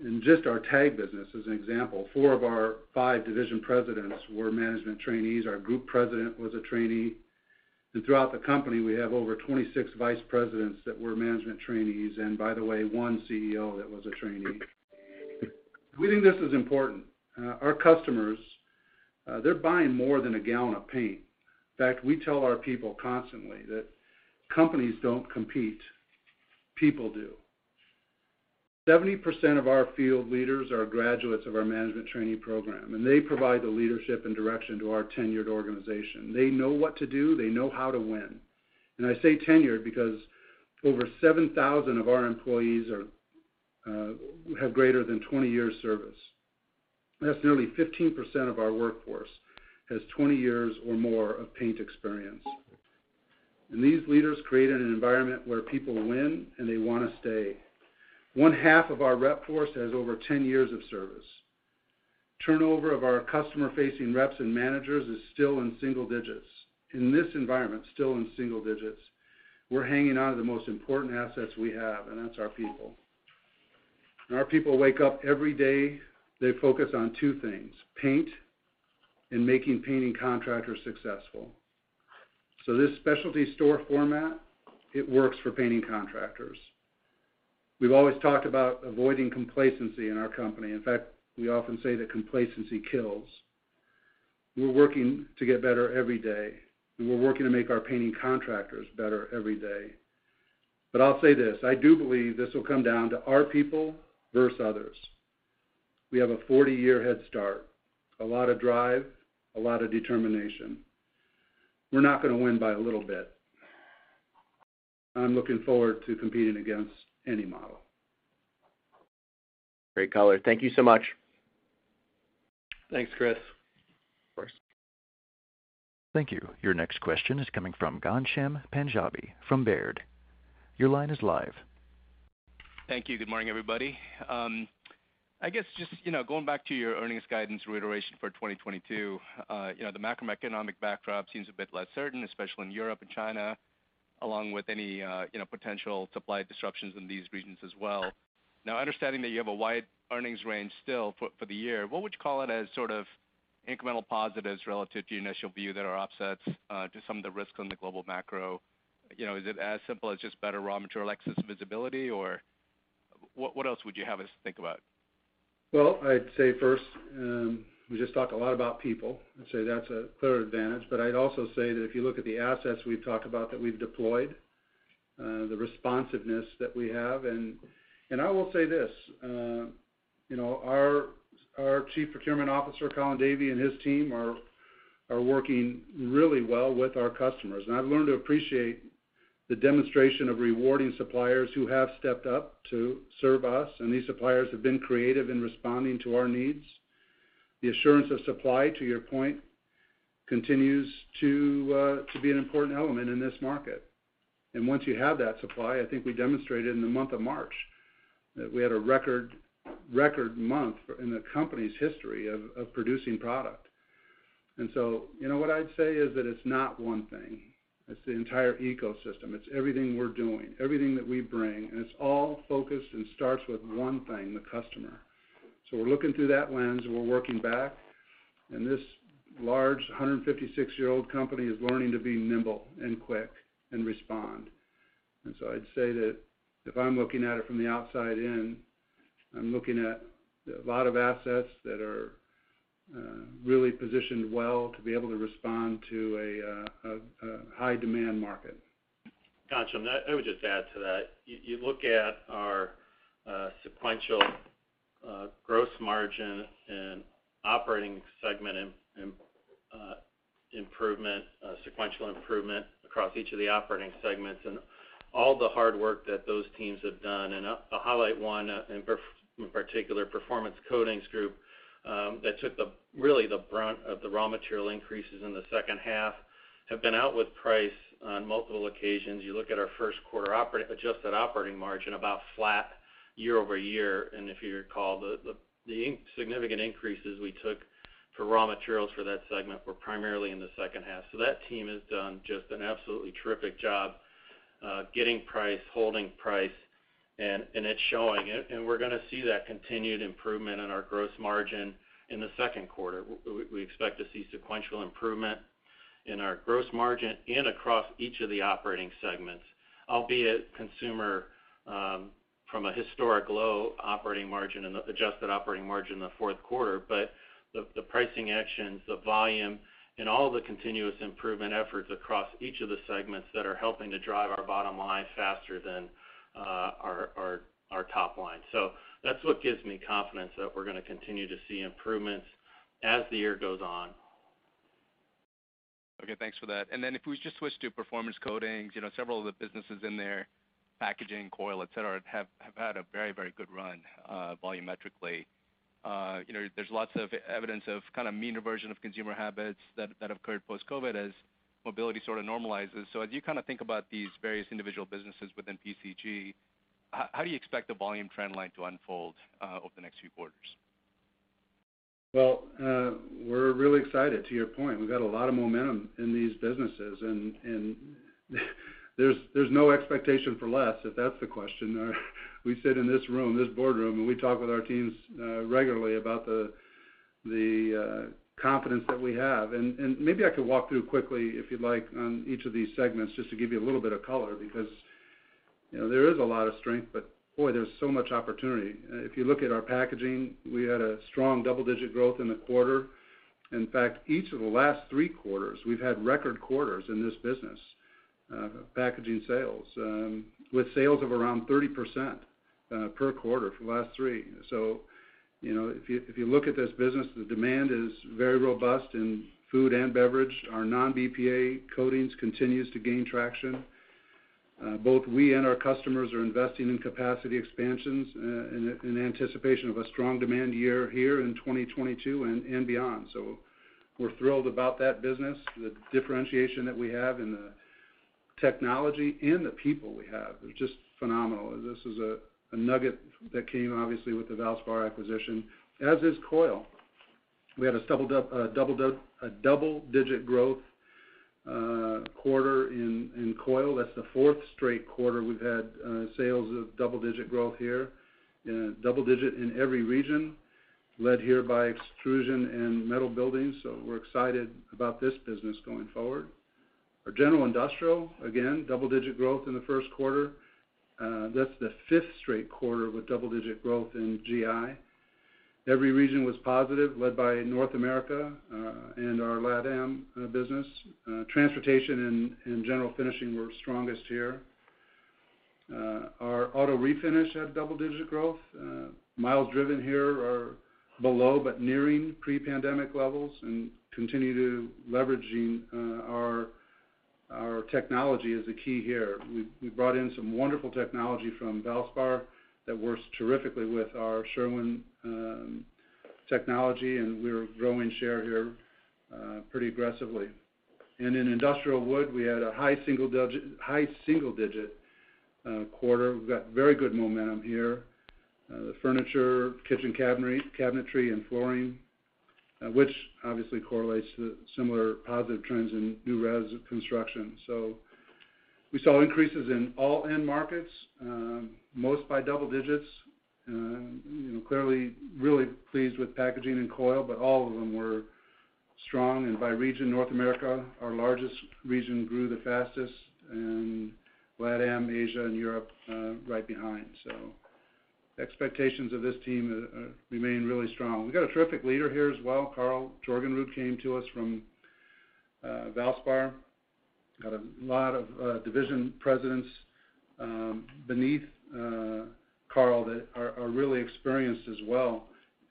C: In just our TAG business, as an example, four of our five division presidents were management trainees. Our group president was a trainee. Throughout the company, we have over 26 vice presidents that were management trainees, and by the way, one CEO that was a trainee. We think this is important. Our customers, they're buying more than a gals of paint. In fact, we tell our people constantly that companies don't compete, people do. 70% of our field leaders are graduates of our management trainee program, and they provide the leadership and direction to our tenured organization. They know what to do, they know how to win. I say tenured because over 7,000 of our employees are, have greater than 20 years service. That's nearly 15% of our workforce has 20 years or more of paint experience. These leaders create an environment where people win, and they wanna stay. One half of our rep force has over 10 years of service. Turnover of our customer-facing reps and managers is still in single digits in this environment. We're hanging on to the most important assets we have, and that's our people. Our people wake up every day, they focus on two things, paint and making painting contractors successful. This specialty store format, it works for painting contractors. We've always talked about avoiding complacency in our company. In fact, we often say that complacency kills. We're working to get better every day. We were working to make our painting contractors better every day. I'll say this, I do believe this will come down to our people versus others. We have a 40-year head start, a lot of drive, a lot of determination. We're not gonna win by a little bit. I'm looking forward to competing against any model.
H: Great color. Thank you so much.
C: Thanks, Chris.
H: Of course.
A: Thank you. Your next question is coming from Ghansham Panjabi from Robert W. Baird Co. Your line is live.
I: Thank you. Good morning, everybody. I guess just, you know, going back to your earnings guidance reiteration for 2022, you know, the macroeconomic backdrop seems a bit less certain, especially in Europe and China, along with any, you know, potential supply disruptions in these regions as well. Now, understanding that you have a wide earnings range still for the year, what would you call it as sort of incremental positives relative to your initial view that are offsets to some of the risks on the global macro? You know, is it as simple as just better raw material access visibility, or what else would you have us think about?
C: Well, I'd say 1st, we just talked a lot about people, and, say, that's a clear advantage, but I'd also say that if you look at the assets we've talked about that we've deployed, the responsiveness that we have. I will say this, you know, our Chief Procurement Officer, Colin Davie, and his team are working really well with our customers. I've learned to appreciate the demonstration of rewarding suppliers who have stepped up to serve us, and these suppliers have been creative in responding to our needs. The assurance of supply, to your point, continues to be an important element in this market. Once you have that supply, I think we demonstrated in the month of March that we had a record month in the company's history of producing product. You know, what I'd say is that it's not one thing, it's the entire ecosystem. It's everything we're doing, everything that we bring, and it's all focused and starts with one thing, the customer. We're looking through that lens and we're working back, and this large 156-year-old company is learning to be nimble and quick and respond. I'd say that if I'm looking at it from the outside in, I'm looking at a lot of assets that are really positioned well to be able to respond to a high demand market.
E: Ghansham, I would just add to that. You look at our sequential gross margin and operating segment improvement, sequential improvement across each of the operating segments and all the hard work that those teams have done. I'll highlight one in particular, Performance Coatings Group, that took really the brunt of the raw material increases in the 2nd half, have been out with price on multiple occasions. You look at our 1st quarter adjusted operating margin, about flat year over year. If you recall, significant increases we took for raw materials for that segment were primarily in the 2nd half. That team has done just an absolutely terrific job, getting price, holding price, and it's showing. We're gonna see that continued improvement in our gross margin in the 2nd quarter. We expect to see sequential improvement in our gross margin and across each of the operating segments, albeit Consumer from a historic low operating margin and the adjusted operating margin in the 4th quarter. The pricing actions, the volume, and all the continuous improvement efforts across each of the segments that are helping to drive our bottom line faster than our top line. That's what gives me confidence that we're gonna continue to see improvements as the year goes on.
I: Okay. Thanks for that. Then if we just switch to Performance Coatings, you know, several of the businesses in there, packaging, coil, et cetera, have had a very, very good run volumetrically. You know, there's lots of evidence of kind of mean reversion of consumer habits that have occurred post-COVID as mobility sort of normalizes. So as you kind of think about these various individual businesses within PCG, how do you expect the volume trend line to unfold over the next few quarters?
C: Well, we're really excited. To your point, we've got a lot of momentum in these businesses, and there's no expectation for less, if that's the question. We sit in this room, this boardroom, and we talk with our teams regularly about the confidence that we have. Maybe I could walk through quickly, if you'd like, on each of these segments just to give you a little bit of color because, you know, there is a lot of strength, but boy, there's so much opportunity. If you look at our packaging, we had a strong double-digit growth in the quarter. In fact, each of the last three quarters we've had record quarters in this business, packaging sales, with sales of around 30% per quarter for the last three. You know, if you look at this business, the demand is very robust in food and beverage. Our non-BPA coatings continues to gain traction. Both we and our customers are investing in capacity expansions in anticipation of a strong demand year here in 2022 and beyond. We're thrilled about that business, the differentiation that we have and the technology and the people we have. They're just phenomenal. This is a nugget that came obviously with the Valspar acquisition, as is coil. We had a double-digit growth quarter in coil. That's the 4th straight quarter we've had sales of double-digit growth here, double digit in every region, led here by extrusion and metal buildings. We're excited about this business going forward. Our general industrial, again, double-digit growth in the 1st quarter. That's the fifth straight quarter with double-digit growth in GI. Every region was positive, led by North America, and our LATAM business. Transportation and general finishing were strongest here. Our auto refinish had double-digit growth. Miles driven here are below but nearing pre-pandemic levels, and we continue to leverage our technology, which is the key here. We brought in some wonderful technology from Valspar that works terrifically with our Sherwin technology, and we're growing share here pretty aggressively. In industrial wood, we had a high single-digit quarter. We've got very good momentum here. The furniture, kitchen cabinetry, and flooring, which obviously correlates to similar positive trends in new residential construction. We saw increases in all end markets, most by double digits. You know, clearly really pleased with packaging and coil, but all of them were strong. By region, North America, our largest region, grew the fastest, and LatAm, Asia, and Europe right behind. Expectations of this team remain really strong. We've got a terrific leader here as well. Karl Jorgenrud came to us from Valspar. Got a lot of division presidents beneath Karl that are really experienced as well.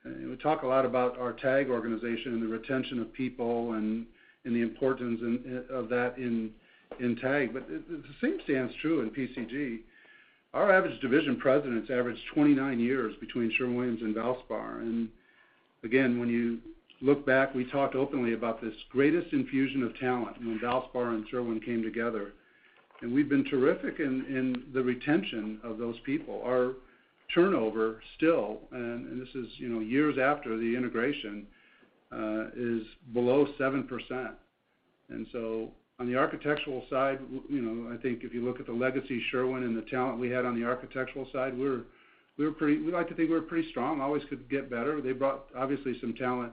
C: We talk a lot about our TAG organization and the retention of people and the importance of that in TAG. But the same stands true in PCG. Our average division presidents average 29 years between Sherwin-Williams and Valspar. Again, when you look back, we talked openly about this greatest infusion of talent when Valspar and Sherwin came together. We've been terrific in the retention of those people. Our turnover still, and this is, you know, years after the integration, is below 7%. On the architectural side, you know, I think if you look at the legacy Sherwin and the talent we had on the architectural side, we're pretty strong, always could get better. They brought, obviously, some talent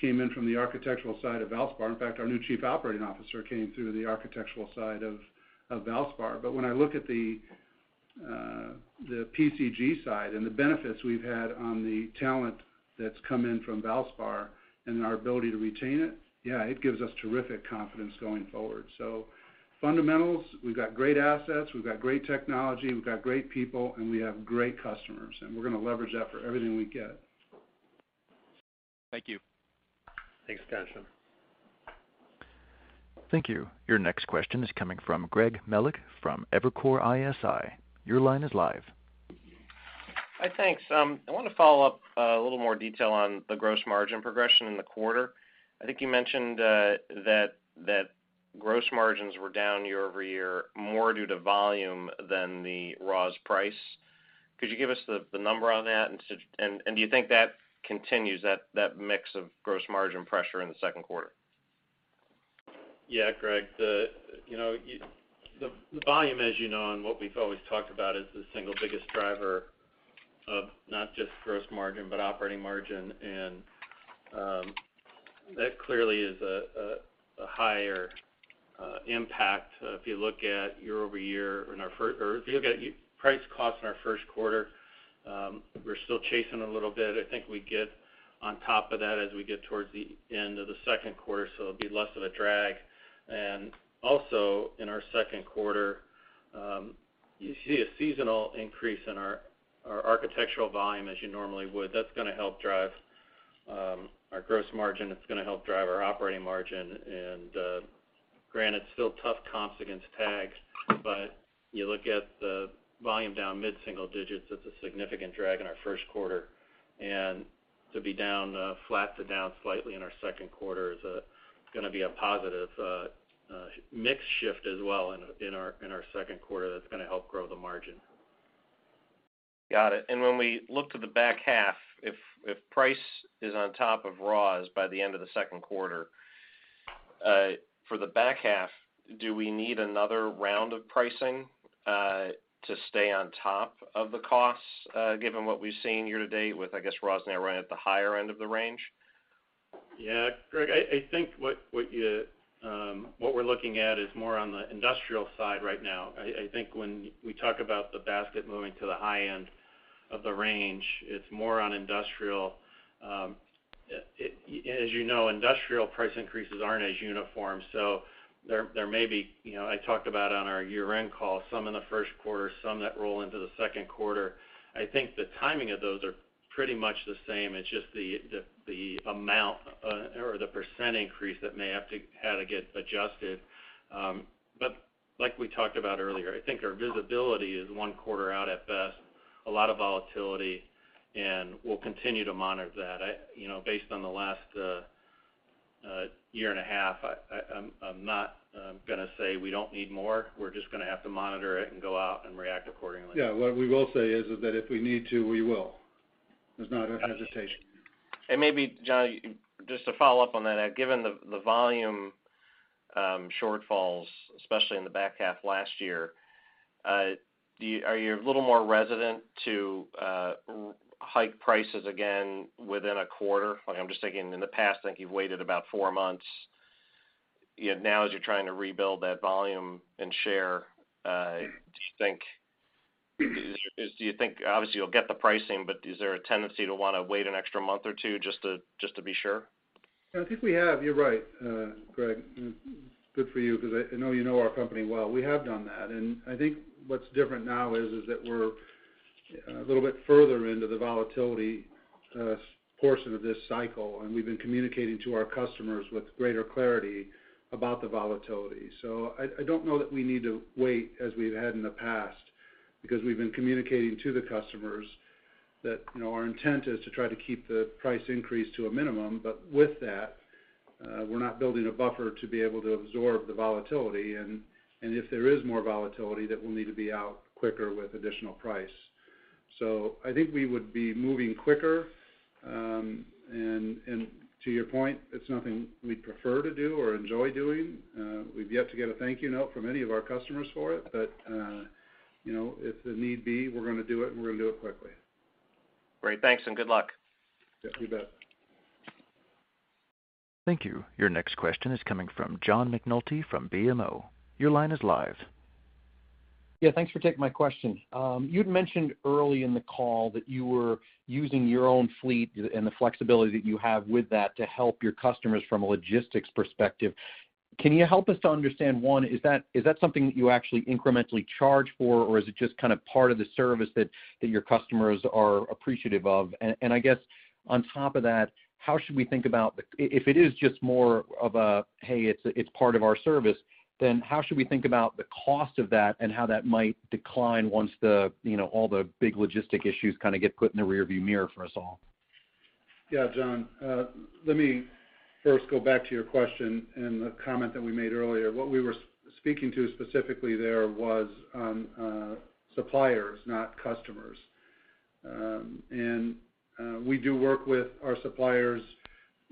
C: came in from the architectural side of Valspar. In fact, our new Chief Operating Officer came through the architectural side of Valspar. When I look at the PCG side and the benefits we've had on the talent that's come in from Valspar and our ability to retain it, yeah, it gives us terrific confidence going forward. Fundamentals, we've got great assets, we've got great technology, we've got great people, and we have great customers, and we're gonna leverage that for everything we get.
I: Thank you.
C: Thanks, Ghansham.
A: Thank you. Your next question is coming from Greg Melich from Evercore ISI. Your line is live.
J: Hi, thanks. I wanna follow up, a little more detail on the gross margin progression in the quarter. I think you mentioned that gross margins were down year-over-year, more due to volume than the raws price. Could you give us the number on that? Do you think that continues, that mix of gross margin pressure in the 2nd quarter?
C: Yeah, Greg. You know, the volume, as you know, and what we've always talked about is the single biggest driver of not just gross margin, but operating margin. That clearly is a higher impact if you look at year-over-year in our 1st quarter, or if you look at price cost in our 1st quarter. We're still chasing a little bit. I think we get on top of that as we get towards the end of the 2nd quarter, so it'll be less of a drag. Also in our 2nd quarter, you see a seasonal increase in our architectural volume as you normally would. That's gonna help drive our gross margin. It's gonna help drive our operating margin. Granted, still tough comps against TAGs, but you look at the volume down mid-single digits, that's a significant drag in our 1st quarter. To be down flat to down slightly in our 2nd quarter is gonna be a positive mix shift as well in our 2nd quarter that's gonna help grow the margin.
J: Got it. When we look to the back half, if price is on top of raws by the end of the 2nd quarter, for the back half, do we need another round of pricing to stay on top of the costs, given what we've seen year to date with, I guess, raws now right at the higher end of the range?
E: Yeah. Greg, I think what we're looking at is more on the industrial side right now. I think when we talk about the basket moving to the high end of the range, it's more on industrial. As you know, industrial price increases aren't as uniform, so there may be, you know, I talked about on our year-end call, some in the 1st quarter, some that roll into the 2nd quarter. I think the timing of those are pretty much the same. It's just the amount or the percent increase that may have had to get adjusted. Like we talked about earlier, I think our visibility is one quarter out at best, a lot of volatility, and we'll continue to monitor that. You know, based on the last year and a half, I'm not gonna say we don't need more. We're just gonna have to monitor it and go out and react accordingly.
C: Yeah. What we will say is that if we need to, we will. There's not a hesitation. Maybe, John, just to follow up on that, given the volume shortfalls, especially in the back half last year, are you a little more reluctant to hike prices again within a quarter? Like, I'm just thinking in the past, I think you've waited about four months. You know, now as you're trying to rebuild that volume and share, do you think obviously you'll get the pricing, but is there a tendency to wanna wait an extra month or two just to be sure? I think we have. You're right, Greg. Good for you, 'cause I know you know our company well. We have done that, and I think what's different now is that we're a little bit further into the volatility portion of this cycle, and we've been communicating to our customers with greater clarity about the volatility. I don't know that we need to wait as we've had in the past because we've been communicating to the customers that, you know, our intent is to try to keep the price increase to a minimum, but with that, we're not building a buffer to be able to absorb the volatility, and if there is more volatility, that we'll need to be out quicker with additional price. I think we would be moving quicker, and to your point, it's nothing we prefer to do or enjoy doing. We've yet to get a thank you note from any of our customers for it, but you know, if the need be, we're gonna do it, and we're gonna do it quickly.
J: Great. Thanks, and good luck.
C: Yes, you bet.
A: Thank you. Your next question is coming from John McNulty from BMO Capital Markets. Your line is live.
K: Yeah, thanks for taking my question. You'd mentioned early in the call that you were using your own fleet and the flexibility that you have with that to help your customers from a logistics perspective. Can you help us to understand, one, is that something that you actually incrementally charge for, or is it just kind of part of the service that your customers are appreciative of? I guess on top of that, how should we think about the, if it is just more of a, "Hey, it's part of our service," then how should we think about the cost of that and how that might decline once the, you know, all the big logistics issues kind of get put in the rear view mirror for us all?
C: Yeah, John. Let me 1st go back to your question and the comment that we made earlier. What we were speaking to specifically there was suppliers, not customers. We do work with our suppliers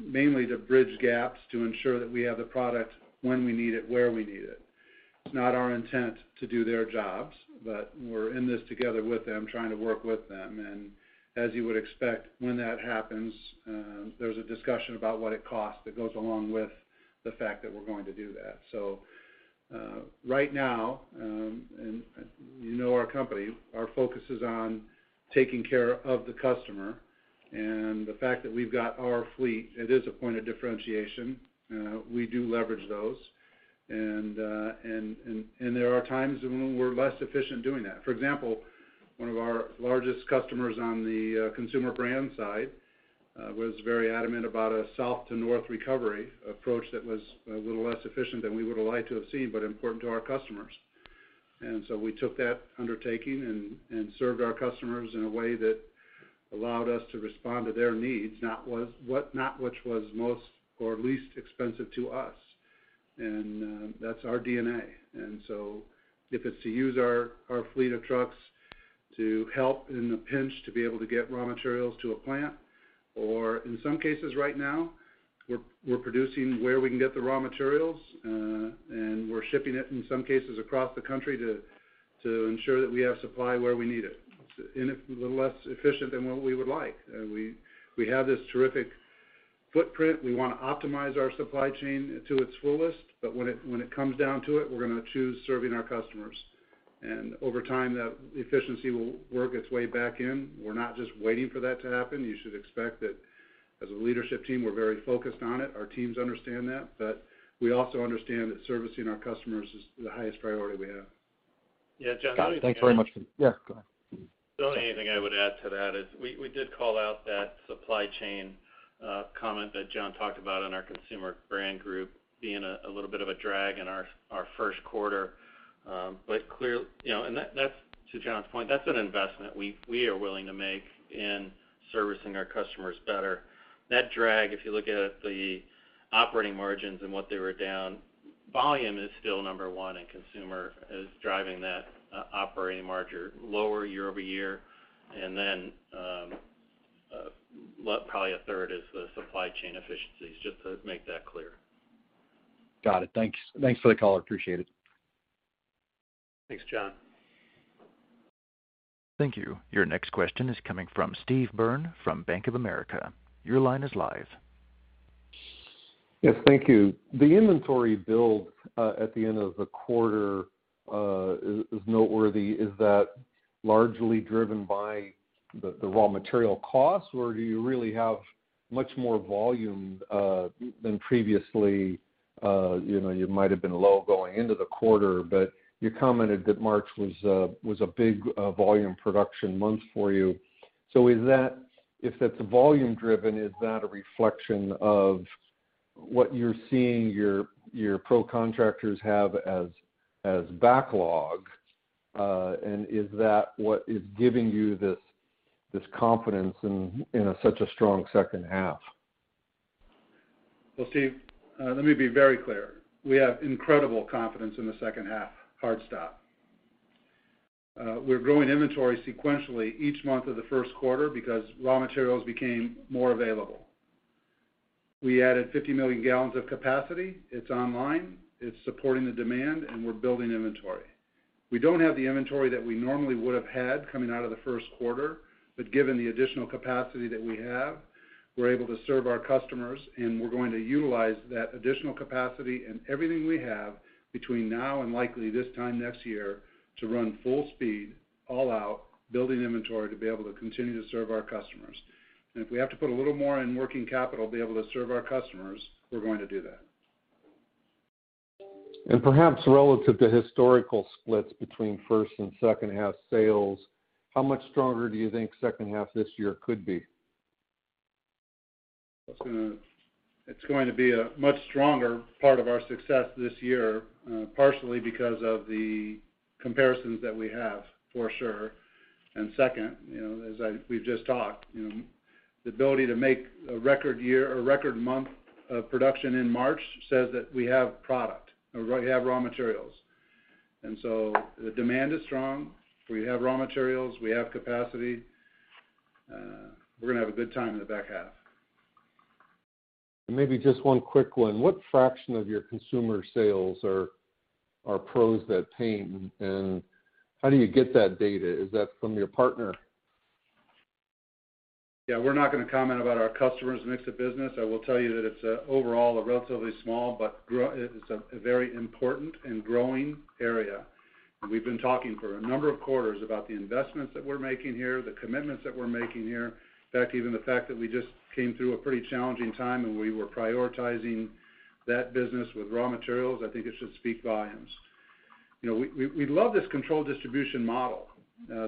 C: mainly to bridge gaps to ensure that we have the product when we need it, where we need it. It's not our intent to do their jobs, but we're in this together with them, trying to work with them. As you would expect, when that happens, there's a discussion about what it costs that goes along with the fact that we're going to do that. Right now, you know our company, our focus is on taking care of the customer. The fact that we've got our fleet, it is a point of differentiation. We do leverage those. There are times when we're less efficient doing that. For example, one of our largest customers on the consumer brand side was very adamant about a south to north recovery approach that was a little less efficient than we would have liked to have seen, but important to our customers. We took that undertaking and served our customers in a way that allowed us to respond to their needs, not which was most or least expensive to us. That's our DNA. If it's to use our fleet of trucks to help in the pinch to be able to get raw materials to a plant, or in some cases right now, we're producing where we can get the raw materials, and we're shipping it in some cases across the country to ensure that we have supply where we need it. It's a little less efficient than what we would like. We have this terrific footprint. We wanna optimize our supply chain to its fullest, but when it comes down to it, we're gonna choose serving our customers. Over time, that efficiency will work its way back in. We're not just waiting for that to happen. You should expect that as a leadership team, we're very focused on it. Our teams understand that. We also understand that servicing our customers is the highest priority we have.
E: Yeah, John-
K: Thanks very much.
E: Yeah, go ahead. The only thing I would add to that is we did call out that supply chain comment that John talked about on our Consumer Brands Group being a little bit of a drag in our 1st quarter. That's to John's point, that's an investment we are willing to make in servicing our customers better. That drag, if you look at the operating margins and what they were down, volume is still number one, and consumer is driving that operating margin lower year-over-year. Probably a 3rd is the supply chain efficiencies, just to make that clear.
K: Got it. Thanks. Thanks for the call. Appreciate it.
E: Thanks, John.
A: Thank you. Your next question is coming from Steve Byrne from Bank of America. Your line is live.
L: Yes, thank you. The inventory build at the end of the quarter is noteworthy. Is that largely driven by the raw material costs, or do you really have much more volume than previously? You know, you might have been low going into the quarter, but you commented that March was a big volume production month for you. Is that if it's volume driven, is that a reflection of what you're seeing your pro contractors have as backlog? And is that what is giving you this confidence in such a strong 2nd half?
C: Well, Steve, let me be very clear. We have incredible confidence in the 2nd half, hard stop. We're growing inventory sequentially each month of the 1st quarter because raw materials became more available. We added 50 million gals of capacity. It's online. It's supporting the demand, and we're building inventory. We don't have the inventory that we normally would have had coming out of the 1st quarter, but given the additional capacity that we have, we're able to serve our customers, and we're going to utilize that additional capacity and everything we have between now and likely this time next year to run full speed, all out, building inventory to be able to continue to serve our customers. If we have to put a little more in working capital to be able to serve our customers, we're going to do that.
L: Perhaps relative to historical splits between 1st and 2nd half sales, how much stronger do you think 2nd half this year could be?
C: It's going to be a much stronger part of our success this year, partially because of the comparisons that we have, for sure. Second, you know, we've just talked, you know, the ability to make a record year or record month of production in March says that we have product. We have raw materials. The demand is strong. We have raw materials. We have capacity. We're gonna have a good time in the back half.
L: Maybe just one quick one. What fraction of your consumer sales are Pros Who Paint, and how do you get that data? Is that from your partner?
C: Yeah. We're not gonna comment about our customers' mix of business. I will tell you that it's overall a relatively small but very important and growing area. We've been talking for a number of quarters about the investments that we're making here, the commitments that we're making here. In fact, even the fact that we just came through a pretty challenging time, and we were prioritizing that business with raw materials, I think it should speak volumes. You know, we love this controlled distribution model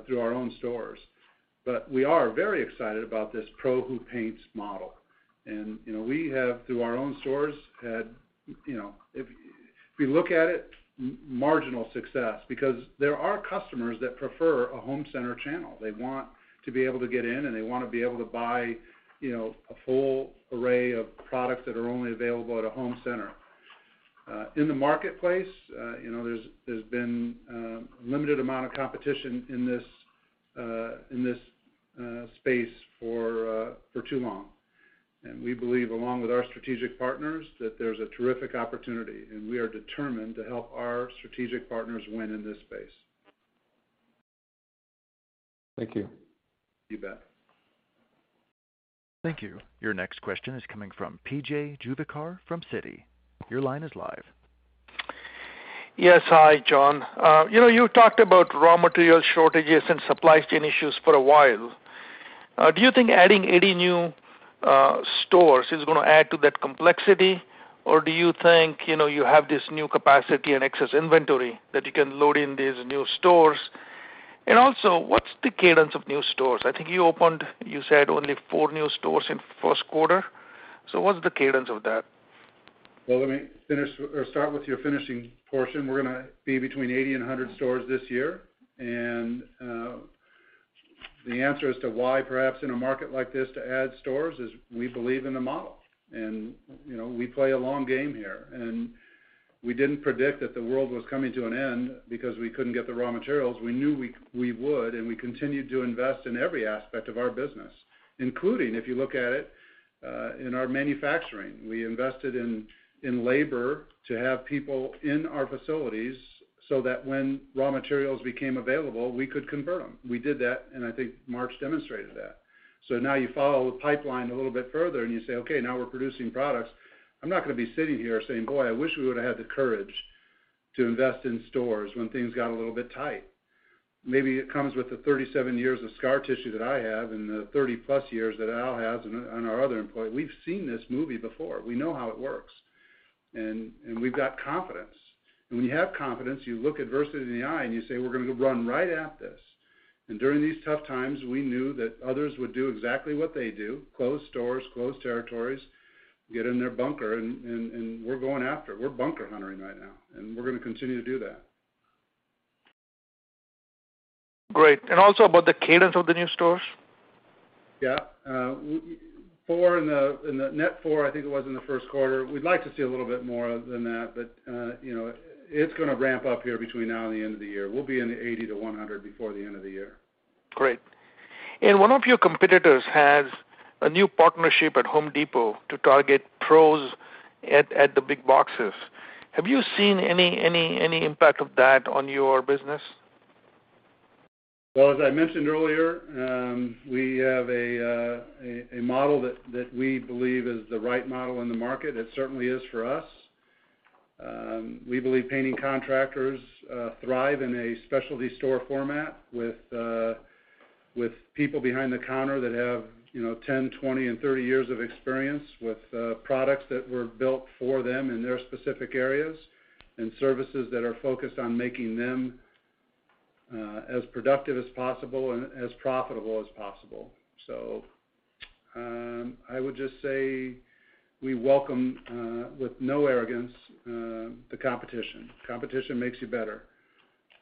C: through our own stores. We are very excited about this Pros Who Paint model. You know, we have, through our own stores, had you know, if we look at it, marginal success because there are customers that prefer a home center channel. They want to be able to get in, and they wanna be able to buy, you know, a full array of products that are only available at a home center. In the marketplace, you know, there's been a limited amount of competition in this space for too long. We believe along with our strategic partners that there's a terrific opportunity, and we are determined to help our strategic partners win in this space.
L: Thank you.
C: You bet.
A: Thank you. Your next question is coming from P.J. Juvekar from Citi. Your line is live.
M: Yes. Hi, John. You know, you talked about raw material shortages and supply chain issues for a while. Do you think adding any new stores is gonna add to that complexity, or do you think, you know, you have this new capacity and excess inventory that you can load in these new stores? Also, what's the cadence of new stores? I think you opened, you said only four new stores in 1st quarter. What's the cadence of that?
C: Well, let me finish or start with your finishing portion. We're gonna be between 80 and 100 stores this year. The answer as to why perhaps in a market like this to add stores is we believe in the model. You know, we play a long game here. We didn't predict that the world was coming to an end because we couldn't get the raw materials. We knew we would, and we continued to invest in every aspect of our business, including, if you look at it, in our manufacturing. We invested in labor to have people in our facilities so that when raw materials became available, we could convert them. We did that, and I think March demonstrated that. Now you follow the pipeline a little bit further and you say, "Okay, now we're producing products." I'm not gonna be sitting here saying, "Boy, I wish we would've had the courage to invest in stores when things got a little bit tight." Maybe it comes with the 37 years of scar tissue that I have and the 30-plus years that Al has and our other employee. We've seen this movie before. We know how it works. We've got confidence. When you have confidence, you look adversity in the eye, and you say, "We're gonna run right at this." During these tough times, we knew that others would do exactly what they do, close stores, close territories, get in their bunker, and we're going after. We're bunker hunting right now, and we're gonna continue to do that.
M: Great. Also about the cadence of the new stores?
C: Yeah. four in the net four, I think it was in the 1st quarter. We'd like to see a little bit more than that, but you know, it's gonna ramp up here between now and the end of the year. We'll be in the 80-100 before the end of the year.
M: Great. One of your competitors has a new partnership at Home Depot to target pros at the big boxes. Have you seen any impact of that on your business?
C: Well, as I mentioned earlier, we have a model that we believe is the right model in the market. It certainly is for us. We believe painting contractors thrive in a specialty store format with people behind the counter that have, you know, 10, 20, and 30 years of experience with products that were built for them in their specific areas and services that are focused on making them as productive as possible and as profitable as possible. I would just say we welcome, with no arrogance, the competition. Competition makes you better.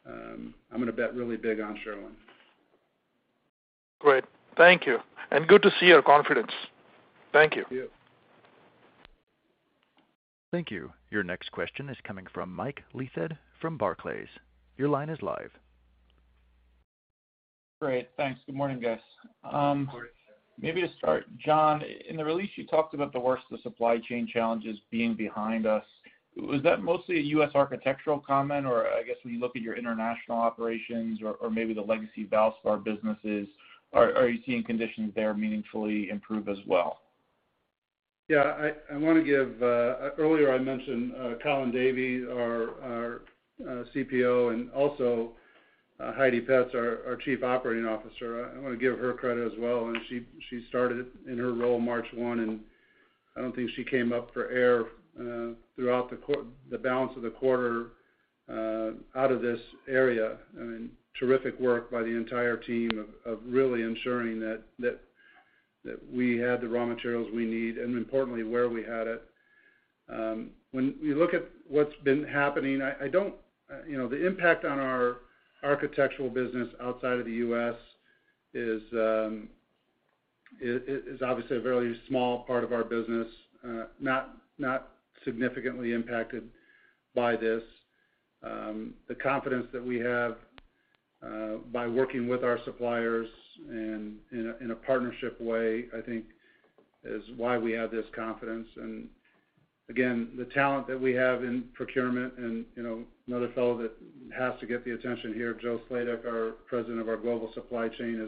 C: I'm gonna bet really big on Sherwin.
M: Great. Thank you. Good to see your confidence. Thank you.
C: Thank you.
A: Thank you. Your next question is coming from Mike Leithead from Barclays. Your line is live.
N: Great. Thanks. Good morning, guys. Maybe to start, John, in the release, you talked about the worst of the supply chain challenges being behind us. Was that mostly a U.S. architectural comment, or I guess when you look at your international operations or maybe the legacy Valspar businesses, are you seeing conditions there meaningfully improve as well?
C: I wanna give. Earlier I mentioned Colin Davie, our CPO, and also Heidi Petz, our Chief Operating Officer. I wanna give her credit as well. She started in her role March 1, and I don't think she came up for air throughout the balance of the quarter out of this area. I mean, terrific work by the entire team of really ensuring that we had the raw materials we need, and importantly, where we had it. When you look at what's been happening, you know, the impact on our architectural business outside of the U.S. is obviously a very small part of our business, not significantly impacted by this. The confidence that we have by working with our suppliers and in a partnership way, I think is why we have this confidence. Again, the talent that we have in procurement and, you know, another fellow that has to get the attention here, Joe Sladek, our President, Global Supply Chain,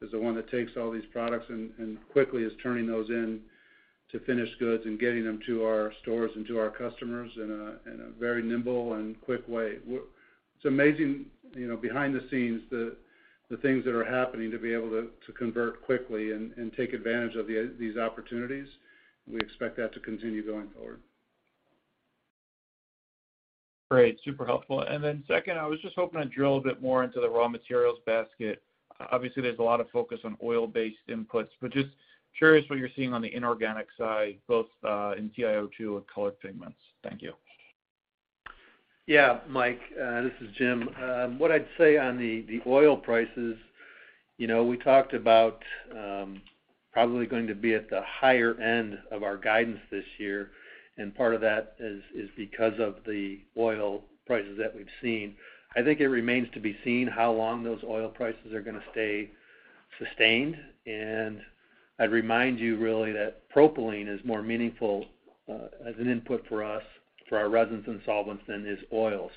C: is the one that takes all these products and quickly is turning those into finished goods and getting them to our stores and to our customers in a very nimble and quick way. It's amazing, you know, behind the scenes, the things that are happening to be able to convert quickly and take advantage of these opportunities. We expect that to continue going forward.
N: Great. Super helpful. Second, I was just hoping to drill a bit more into the raw materials basket. Obviously, there's a lot of focus on oil-based inputs, but just curious what you're seeing on the inorganic side, both in TiO2 and colored pigments. Thank you.
B: Yeah, Mike, this is Jim. What I'd say on the oil prices, you know, we talked about probably going to be at the higher end of our guidance this year, and part of that is because of the oil prices that we've seen. I think it remains to be seen how long those oil prices are gonna stay sustained. I'd remind you really that propylene is more meaningful as an input for us for our resins and solvents than is oil.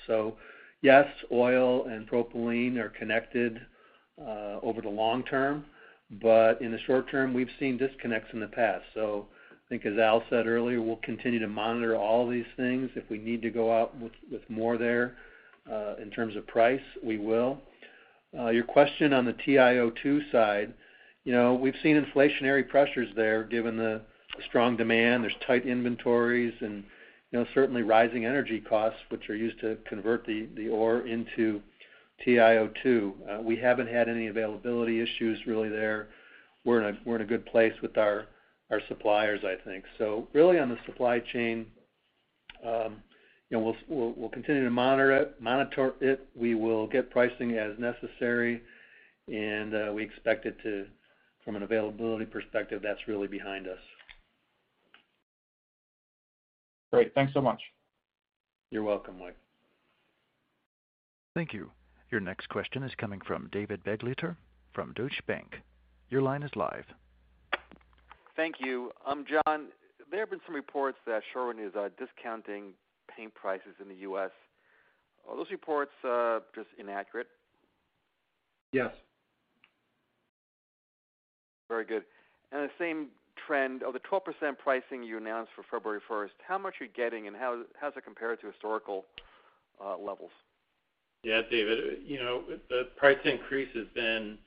B: Yes, oil and propylene are connected over the long term, but in the short term, we've seen disconnects in the past. I think as Al said earlier, we'll continue to monitor all of these things. If we need to go out with more there in terms of price, we will. Your question on the TiO2 side, you know, we've seen inflationary pressures there given the strong demand. There's tight inventories and, you know, certainly rising energy costs, which are used to convert the ore into TiO2. We haven't had any availability issues really there. We're in a good place with our suppliers, I think. So really on the supply chain, you know, we'll continue to monitor it. We will get pricing as necessary, and we expect it to, from an availability perspective, that's really behind us.
N: Great. Thanks so much.
B: You're welcome, Mike.
A: Thank you. Your next question is coming from David Begleiter from Deutsche Bank. Your line is live.
O: Thank you. John, there have been some reports that Sherwin is discounting paint prices in the U.S. Are those reports just inaccurate?
C: Yes.
O: Very good. The same trend of the 12% pricing you announced for February 1st, how much are you getting, and how does it compare to historical levels?
C: Yeah, David, you know, the price increase has been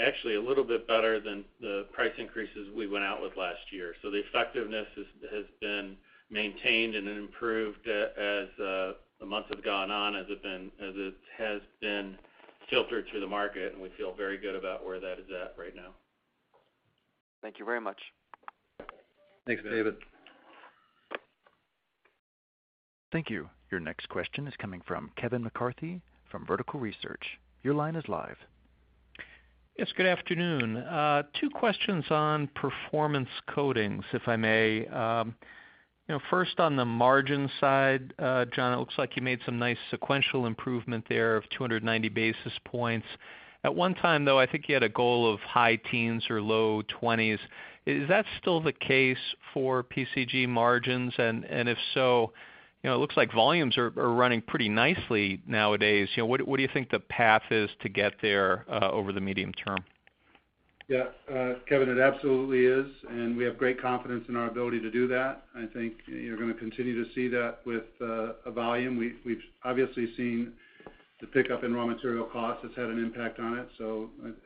C: actually a little bit better than the price increases we went out with last year. The effectiveness has been maintained and improved as the months have gone on, as it has been filtered through the market, and we feel very good about where that is at right now.
O: Thank you very much.
C: Thanks, David.
A: Thank you. Your next question is coming from Kevin McCarthy from Vertical Research Partners. Your line is live.
P: Yes, good afternoon. Two questions on performance coatings, if I may. You know, 1st on the margin side, John, it looks like you made some nice sequential improvement there of 290 basis points. At one time, though, I think you had a goal of high teens or low twenties. Is that still the case for PCG margins? And if so, you know, it looks like volumes are running pretty nicely nowadays. You know, what do you think the path is to get there, over the medium term?
C: Yeah, Kevin, it absolutely is, and we have great confidence in our ability to do that. I think you're gonna continue to see that with volume. We've obviously seen the pickup in raw material costs has had an impact on it.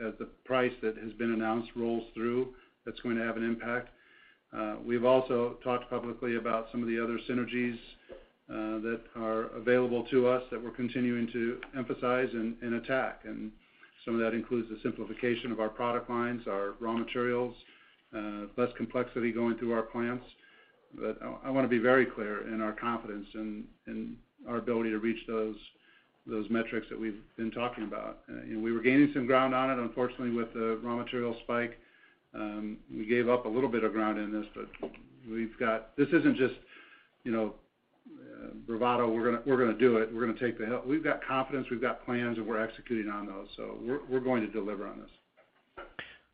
C: As the price that has been announced rolls through, that's going to have an impact. We've also talked publicly about some of the other synergies that are available to us that we're continuing to emphasize and attack. Some of that includes the simplification of our product lines, our raw materials, less complexity going through our plants. I wanna be very clear in our confidence in our ability to reach those metrics that we've been talking about. We were gaining some ground on it. Unfortunately, with the raw material spike, we gave up a little bit of ground in this, but this isn't just, you know, bravado. We're gonna do it. We've got confidence, we've got plans, and we're executing on those. We're going to deliver on this.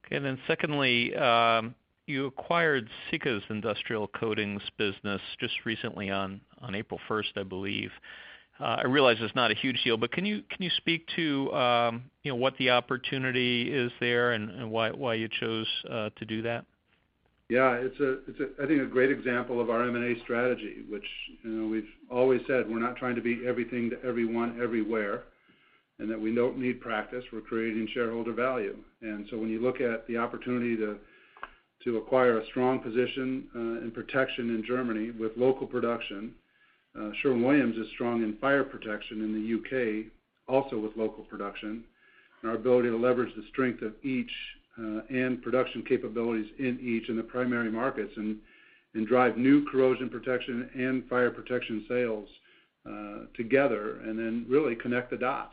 P: Okay. Secondly, you acquired Sika's Industrial Coatings business just recently on April 1st, I believe. I realize it's not a huge deal, but can you speak to, you know, what the opportunity is there and why you chose to do that?
C: Yeah, it's a, I think a great example of our M&A strategy, which, you know, we've always said we're not trying to be everything to everyone everywhere, and that we don't need practice. We're creating shareholder value. When you look at the opportunity to acquire a strong position in protection in Germany with local production, Sherwin-Williams is strong in fire protection in the U.K., also with local production. Our ability to leverage the strength of each and production capabilities in each in the primary markets and drive new corrosion protection and fire protection sales together and then really connect the dots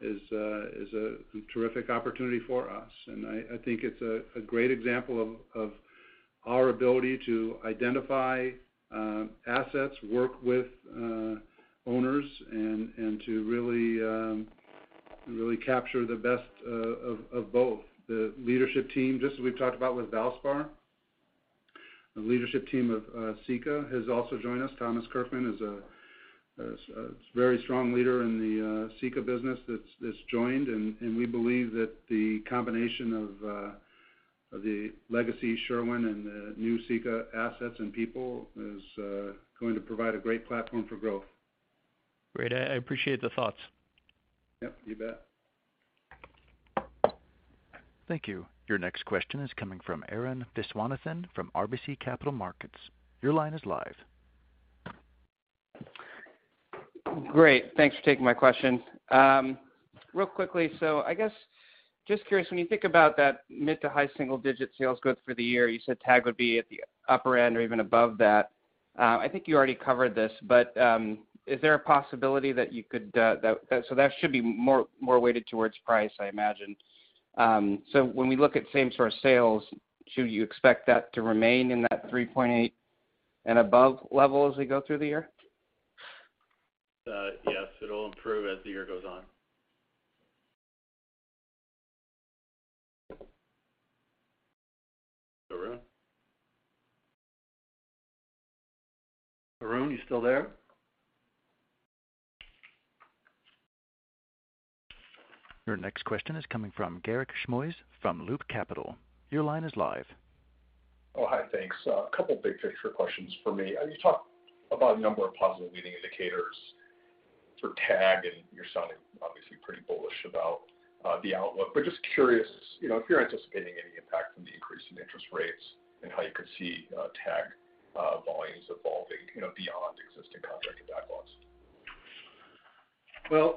C: is a terrific opportunity for us. I think it's a great example of our ability to identify assets, work with owners and to really really capture the best of both. The leadership team, just as we've talked about with Valspar, the leadership team of Sika has also joined us. Thomas Kurfürst is a very strong leader in the Sika business that's joined. We believe that the combination of the legacy Sherwin and the new Sika assets and people is going to provide a great platform for growth.
P: Great. I appreciate the thoughts.
C: Yep, you bet.
A: Thank you. Your next question is coming from Arun Viswanathan from RBC Capital Markets. Your line is live.
Q: Great. Thanks for taking my question. Real quickly, I guess, just curious, when you think about that mid- to high single-digit sales growth for the year, you said TAG would be at the upper end or even above that. I think you already covered this, but is there a possibility that that should be more weighted towards price, I imagine. When we look at same store sales, should you expect that to remain in that 3.8% and above level as we go through the year?
C: Yes, it'll improve as the year goes on. Arun? Arun, you still there?
A: Your next question is coming from Garik Shmois from Loop Capital Markets. Your line is live.
R: Oh, hi. Thanks. A couple big picture questions for me. You talked about a number of positive leading indicators for TAG, and you're sounding obviously pretty bullish about the outlook. Just curious, you know, if you're anticipating any impact from the increase in interest rates and how you could see TAG volumes evolving, you know, beyond existing contracts and backlogs.
C: Well,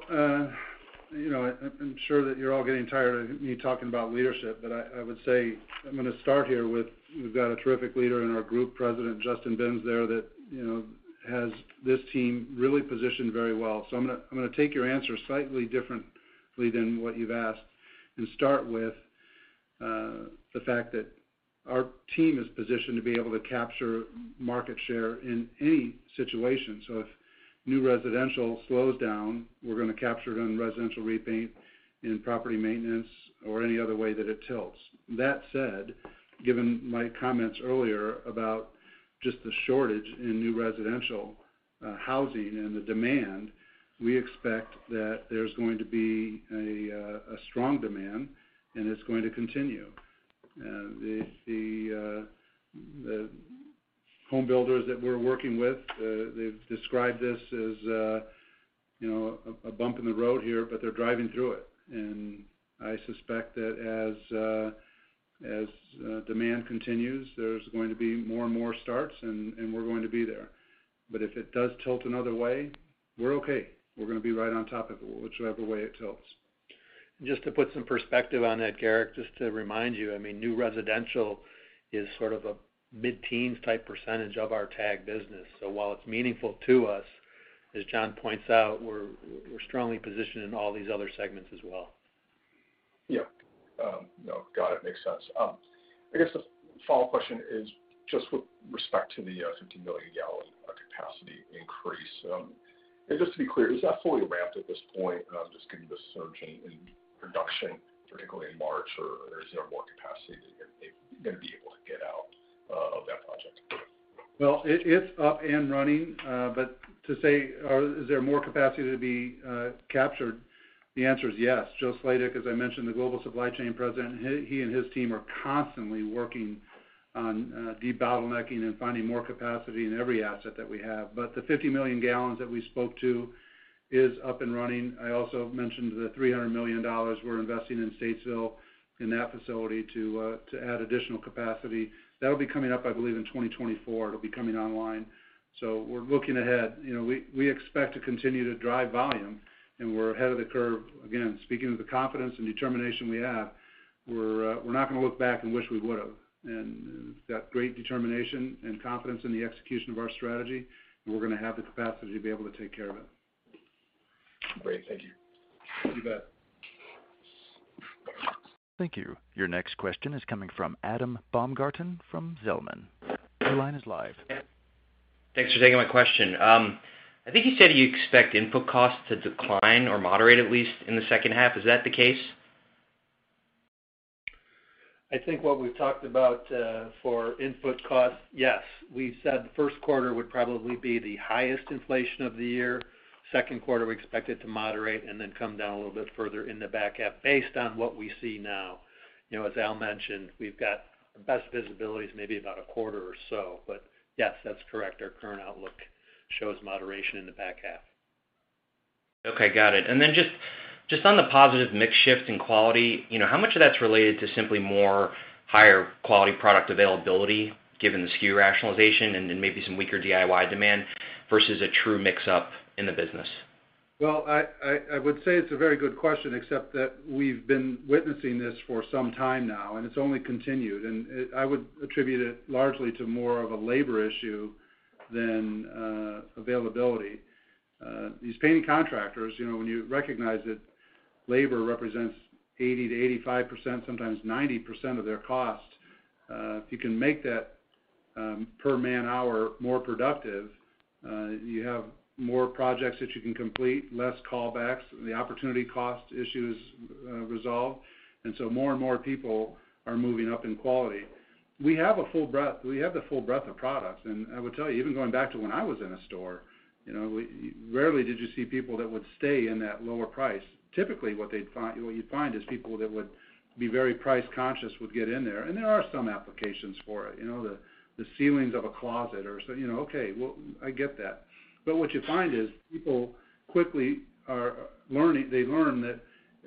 C: you know, I'm sure that you're all getting tired of me talking about leadership, but I would say I'm gonna start here with we've got a terrific leader in our Group President, Justin Binns there that, you know, has this team really positioned very well. I'm gonna take your answer slightly differently than what you've asked and start with the fact that our team is positioned to be able to capture market share in any situation. If new residential slows down, we're gonna capture it on residential repaint, in property maintenance or any other way that it tilts. That said, given my comments earlier about just the shortage in new residential housing and the demand, we expect that there's going to be a strong demand, and it's going to continue. The home builders that we're working with, they've described this as, you know, a bump in the road here, but they're driving through it. I suspect that as demand continues, there's going to be more and more starts, and we're going to be there. If it does tilt another way, we're okay. We're gonna be right on top of it, whichever way it tilts.
B: Just to put some perspective on that, Garik, just to remind you, I mean, new residential is sort of a mid-teens type percentage of our TAG business. While it's meaningful to us, as John points out, we're strongly positioned in all these other segments as well.
R: Yeah. No, got it. Makes sense. I guess a follow-up question is just with respect to the 50 million gals capacity increase. Just to be clear, is that fully ramped at this point? Just given the surge in production, particularly in March, or is there more capacity that you're going to be able to get out of that project?
C: Well, it's up and running. But to say is there more capacity to be captured, the answer is yes. Joe Sladek, as I mentioned, the Global Supply Chain President, he and his team are constantly working on debottlenecking and finding more capacity in every asset that we have. But the 50 million gals that we spoke to is up and running. I also mentioned the $300 million we're investing in Statesville in that facility to add additional capacity. That'll be coming up, I believe, in 2024, it'll be coming online. We're looking ahead. You know, we expect to continue to drive volume, and we're ahead of the curve. Again, speaking of the confidence and determination we have, we're not gonna look back and wish we would've. That great determination and confidence in the execution of our strategy, and we're gonna have the capacity to be able to take care of it.
R: Great. Thank you.
C: You bet.
A: Thank you. Your next question is coming from Adam Baumgarten from Zelman Partners. Your line is live.
S: Thanks for taking my question. I think you said you expect input costs to decline or moderate, at least in the 2nd half. Is that the case?
C: I think what we've talked about for input costs, yes. We said the 1st quarter would probably be the highest inflation of the year. Second quarter, we expect it to moderate and then come down a little bit further in the back half based on what we see now. You know, as Al mentioned, we've got best visibility is maybe about a quarter or so. Yes, that's correct. Our current outlook. Show us moderation in the back half.
S: Okay, got it. Just on the positive mix shift in quality, you know, how much of that's related to simply more higher quality product availability given the SKU rationalization and then maybe some weaker DIY demand versus a true mix shift in the business?
C: Well, I would say it's a very good question, except that we've been witnessing this for some time now, and it's only continued. I would attribute it largely to more of a labor issue than availability. These painting contractors, you know, when you recognize that labor represents 80%-85%, sometimes 90% of their cost, if you can make that per man hour more productive, you have more projects that you can complete, less callbacks, the opportunity cost issue is resolved, and so more and more people are moving up in quality. We have the full breadth of products, and I would tell you, even going back to when I was in a store, you know, we rarely did you see people that would stay in that lower price. Typically, what you'd find is people that would be very price conscious would get in there, and there are some applications for it. You know, the ceilings of a closet or so, you know? Okay, well, I get that. But what you find is they learn that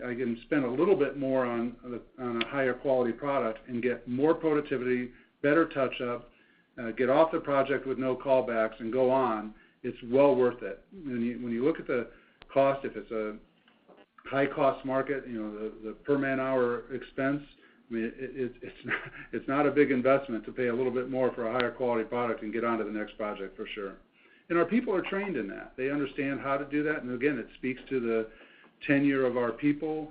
C: they can spend a little bit more on a higher quality product and get more productivity, better touch-up, get off the project with no callbacks and go on. It's well worth it. When you look at the cost, if it's a high-cost market, you know, the per man hour expense, I mean, it's not a big investment to pay a little bit more for a higher quality product and get on to the next project for sure. Our people are trained in that. They understand how to do that. Again, it speaks to the tenure of our people.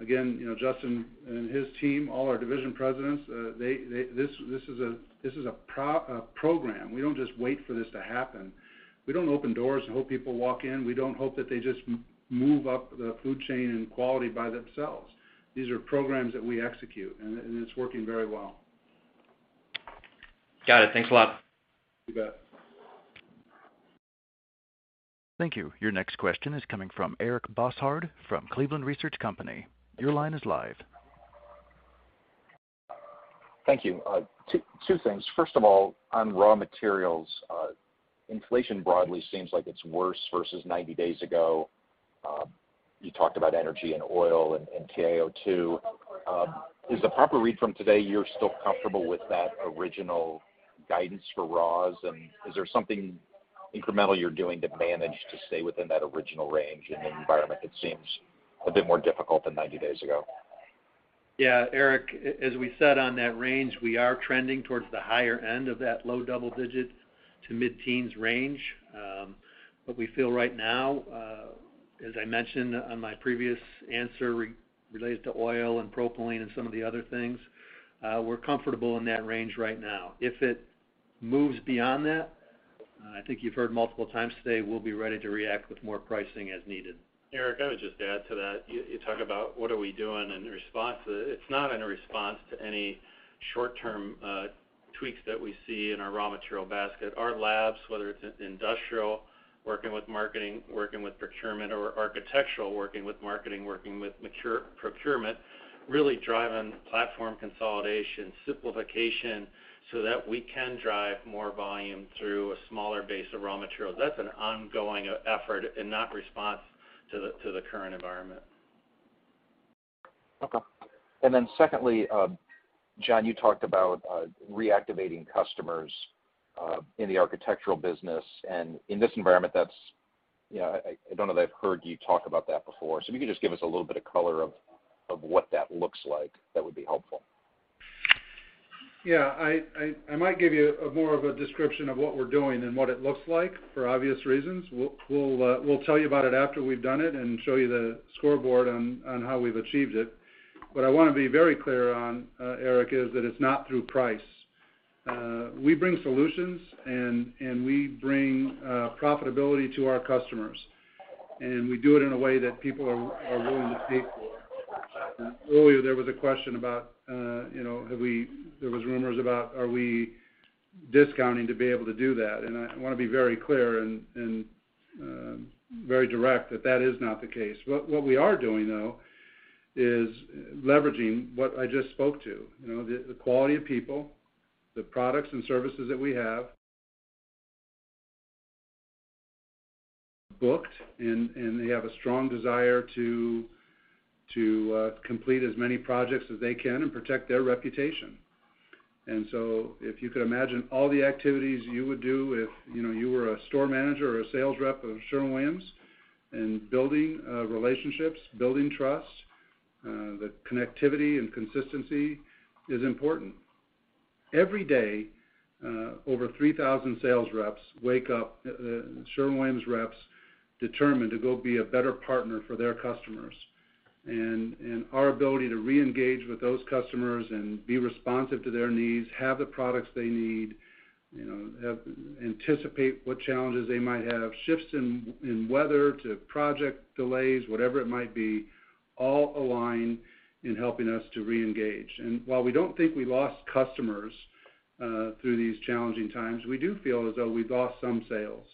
C: Again, you know, Justin and his team, all our division presidents, this is a program. We don't just wait for this to happen. We don't open doors and hope people walk in. We don't hope that they just move up the food chain in quality by themselves. These are programs that we execute, and it's working very well.
S: Got it. Thanks a lot.
C: You bet.
A: Thank you. Your next question is coming from Eric Bosshard from Cleveland Research Company. Your line is live.
T: Thank you. Two things. First of all, on raw materials, inflation broadly seems like it's worse versus 90 days ago. You talked about energy and oil and TiO2. Is the proper read from today you're still comfortable with that original guidance for raws? Is there something incremental you're doing to manage to stay within that original range in an environment that seems a bit more difficult than 90 days ago?
C: Yeah, Eric, as we said on that range, we are trending towards the higher end of that low double-digit to mid-teens range. What we feel right now, as I mentioned on my previous answer related to oil and propylene and some of the other things, we're comfortable in that range right now. If it moves beyond that, I think you've heard multiple times today, we'll be ready to react with more pricing as needed.
E: Eric, I would just add to that. You talk about what are we doing in response to. It's not a response to any short-term tweaks that we see in our raw material basket. Our labs, whether it's in industrial, working with marketing, working with procurement or architectural, working with marketing, working with our procurement, really drive our platform consolidation, simplification so that we can drive more volume through a smaller base of raw materials. That's an ongoing effort and not a response to the current environment.
T: Okay. Secondly, John, you talked about reactivating customers in the architectural business. In this environment, I don't know that I've heard you talk about that before. If you could just give us a little bit of color on what that looks like, that would be helpful.
C: Yeah. I might give you a more of a description of what we're doing than what it looks like, for obvious reasons. We'll tell you about it after we've done it and show you the scoreboard on how we've achieved it. What I wanna be very clear on, Eric, is that it's not through price. We bring solutions and we bring profitability to our customers, and we do it in a way that people are willing to pay for. Earlier, there was a question about, you know, There was rumors about, are we discounting to be able to do that? I wanna be very clear and very direct that that is not the case. What we are doing, though, is leveraging what I just spoke to. You know, the quality of people, the products and services that we have booked, and they have a strong desire to complete as many projects as they can and protect their reputation. If you could imagine all the activities you would do if, you know, you were a store manager or a sales rep of Sherwin-Williams and building relationships, building trust, the connectivity and consistency is important. Every day, over 3,000 sales reps wake up, Sherwin-Williams reps, determined to go be a better partner for their customers. Our ability to reengage with those customers and be responsive to their needs, have the products they need, you know, anticipate what challenges they might have, shifts in weather to project delays, whatever it might be, all align in helping us to reengage. While we don't think we lost customers through these challenging times, we do feel as though we've lost some sales.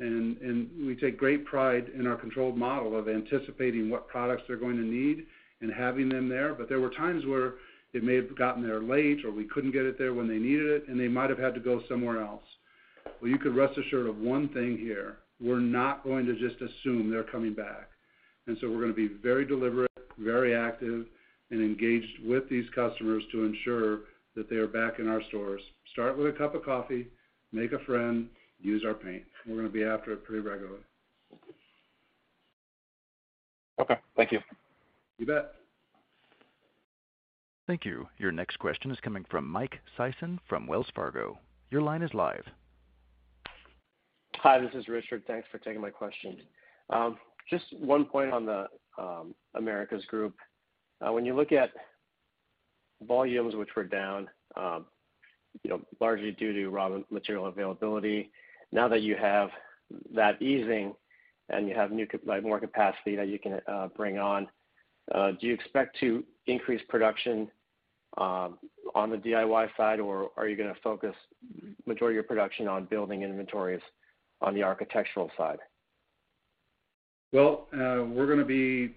C: We take great pride in our controlled model of anticipating what products they're going to need and having them there. There were times where it may have gotten there late, or we couldn't get it there when they needed it, and they might have had to go somewhere else. Well, you could rest assured of one thing here, we're not going to just assume they're coming back. We're gonna be very deliberate, very active, and engaged with these customers to ensure that they are back in our stores. Start with a cup of coffee, make a friend, use our paint. We're gonna be after it pretty regularly.
T: Okay, thank you.
C: You bet.
A: Thank you. Your next question is coming from Mike Sison from Wells Fargo. Your line is live.
U: Hi, this is Richard. Thanks for taking my question. Just one point on the Americas Group. When you look at volumes which were down, you know, largely due to raw material availability. Now that you have that easing and you have new, like, more capacity that you can bring on, do you expect to increase production on the DIY side? Or are you gonna focus majority of production on building inventories on the architectural side?
C: Well, we're gonna be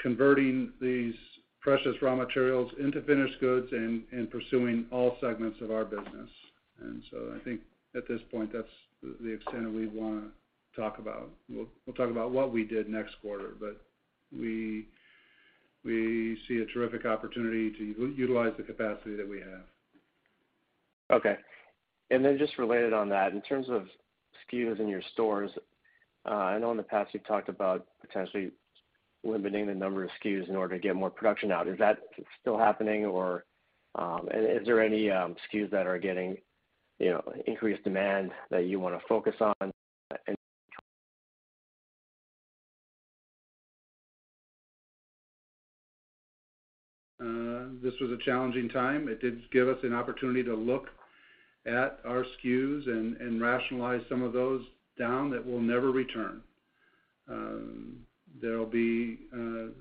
C: converting these precious raw materials into finished goods and pursuing all segments of our business. I think at this point, that's the extent that we wanna talk about. We'll talk about what we did next quarter, but we see a terrific opportunity to utilize the capacity that we have.
U: Okay. Just related on that, in terms of SKUs in your stores, I know in the past you've talked about potentially limiting the number of SKUs in order to get more production out. Is that still happening? Or, is there any SKUs that are getting, you know, increased demand that you wanna focus on and-
C: This was a challenging time. It did give us an opportunity to look at our SKUs and rationalize some of those down that will never return. There'll be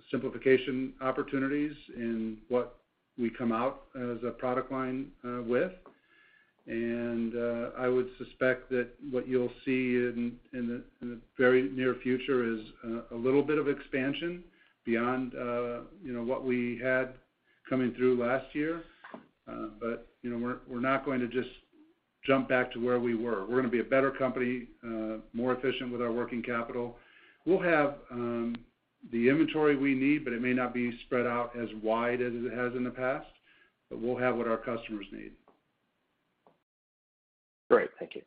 C: simplification opportunities in what we come out as a product line with. I would suspect that what you'll see in the very near future is a little bit of expansion beyond, you know, what we had coming through last year. You know, we're not going to just jump back to where we were. We're gonna be a better company, more efficient with our working capital. We'll have the inventory we need, but it may not be spread out as wide as it has in the past. We'll have what our customers need.
U: Great. Thank you.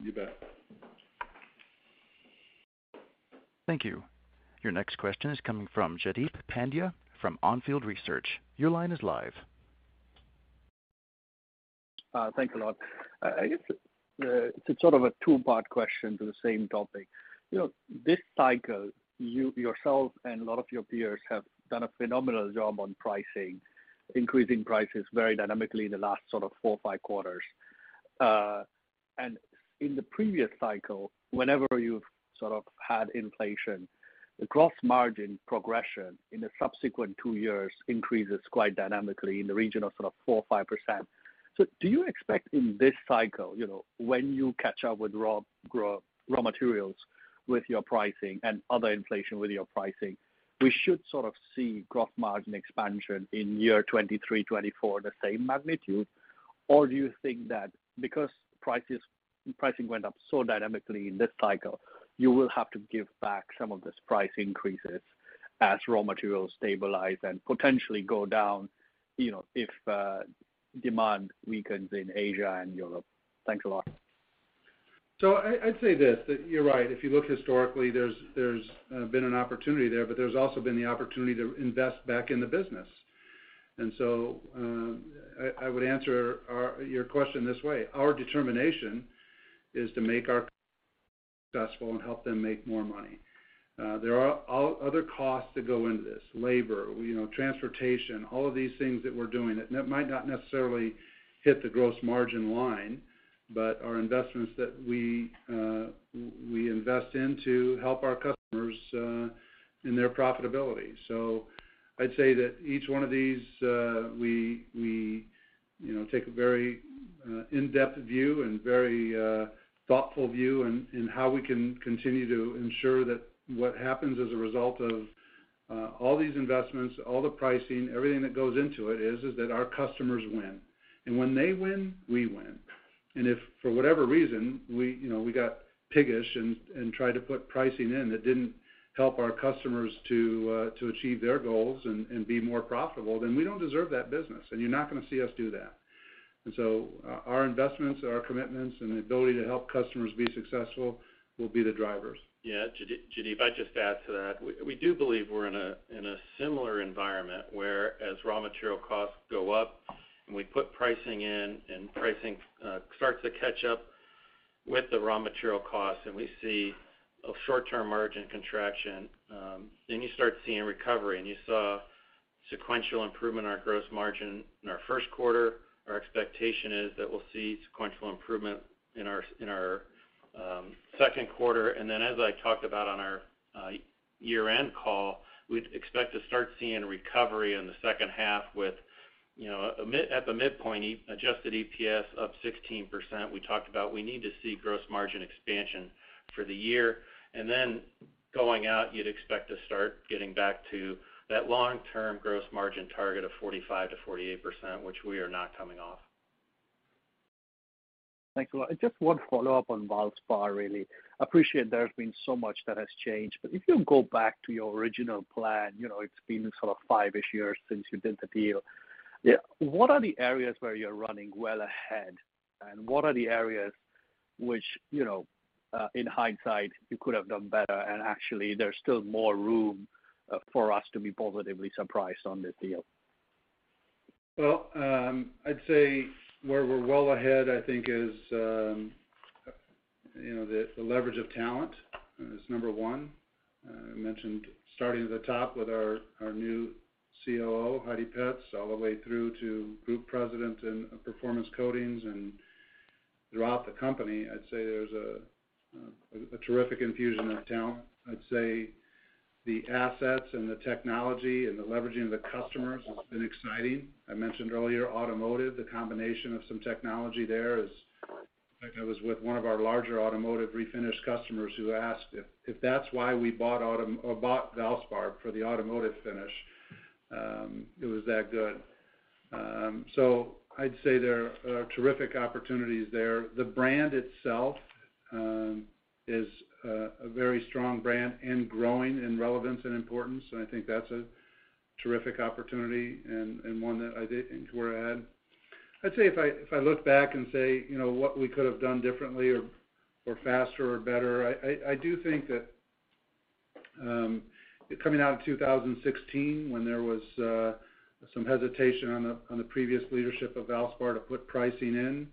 C: You bet.
A: Thank you. Your next question is coming from Jaideep Pandya from On Field Investment Research. Your line is live.
V: Thanks a lot. I guess it's sort of a two-part question to the same topic. You know, this cycle, you yourself and a lot of your peers have done a phenomenal job on pricing, increasing prices very dynamically in the last sort of four to five quarters. In the previous cycle, whenever you've sort of had inflation, the gross margin progression in the subsequent two years increases quite dynamically in the region of sort of 4%-5%. Do you expect in this cycle, you know, when you catch up with raw materials with your pricing and other inflation with your pricing, we should sort of see gross margin expansion in year 2023, 2024 the same magnitude? Do you think that because prices, pricing went up so dynamically in this cycle, you will have to give back some of this price increases as raw materials stabilize and potentially go down, you know, if demand weakens in Asia and Europe? Thanks a lot.
C: I'd say this, that you're right. If you look historically, there's been an opportunity there, but there's also been the opportunity to invest back in the business. I would answer your question this way. Our determination is to make our successful and help them make more money. There are other costs that go into this, labor, you know, transportation, all of these things that we're doing that might not necessarily hit the gross margin line, but are investments that we invest in to help our customers in their profitability. I'd say that each one of these, we you know take a very in-depth view and very thoughtful view in how we can continue to ensure that what happens as a result of all these investments, all the pricing, everything that goes into it, is that our customers win. When they win, we win. If for whatever reason, we you know we got piggish and tried to put pricing in that didn't help our customers to achieve their goals and be more profitable, then we don't deserve that business, and you're not gonna see us do that. Our investments, our commitments, and the ability to help customers be successful will be the drivers.
E: Yeah. Jaideep, I'd just add to that, we do believe we're in a similar environment whereas raw material costs go up and we put pricing in and pricing starts to catch up with the raw material costs and we see a short-term margin contraction, then you start seeing recovery. You saw sequential improvement in our gross margin in our 1st quarter. Our expectation is that we'll see sequential improvement in our 2nd quarter. Then as I talked about on our year-end call, we'd expect to start seeing recovery in the 2nd half with, you know, at the midpoint adjusted EPS up 16%. We talked about we need to see gross margin expansion for the year. Then going out, you'd expect to start getting back to that long-term gross margin target of 45%-48%, which we are not coming off.
V: Thanks a lot. Just one follow-up on Valspar, really. I appreciate there's been so much that has changed, but if you go back to your original plan, you know, it's been sort of five-ish years since you did the deal. Yeah, what are the areas where you're running well ahead, and what are the areas which, you know, in hindsight you could have done better and actually there's still more room for us to be positively surprised on the deal?
C: Well, I'd say where we're well ahead, I think is, you know, the leverage of talent is number one. I mentioned starting at the top with our new COO, Heidi Petz, all the way through to group president in Performance Coatings and throughout the company. I'd say there's a terrific infusion of talent. I'd say the assets and the technology and the leveraging of the customers has been exciting. I mentioned earlier automotive, the combination of some technology there is. I think it was with one of our larger automotive refinish customers who asked if that's why we bought Valspar for the automotive finish. It was that good. I'd say there are terrific opportunities there. The brand itself is a very strong brand and growing in relevance and importance, and I think that's a terrific opportunity and one that I think we're ahead. I'd say if I look back and say, you know, what we could have done differently or faster or better, I do think that coming out of 2016 when there was some hesitation on the previous leadership of Valspar to put pricing in,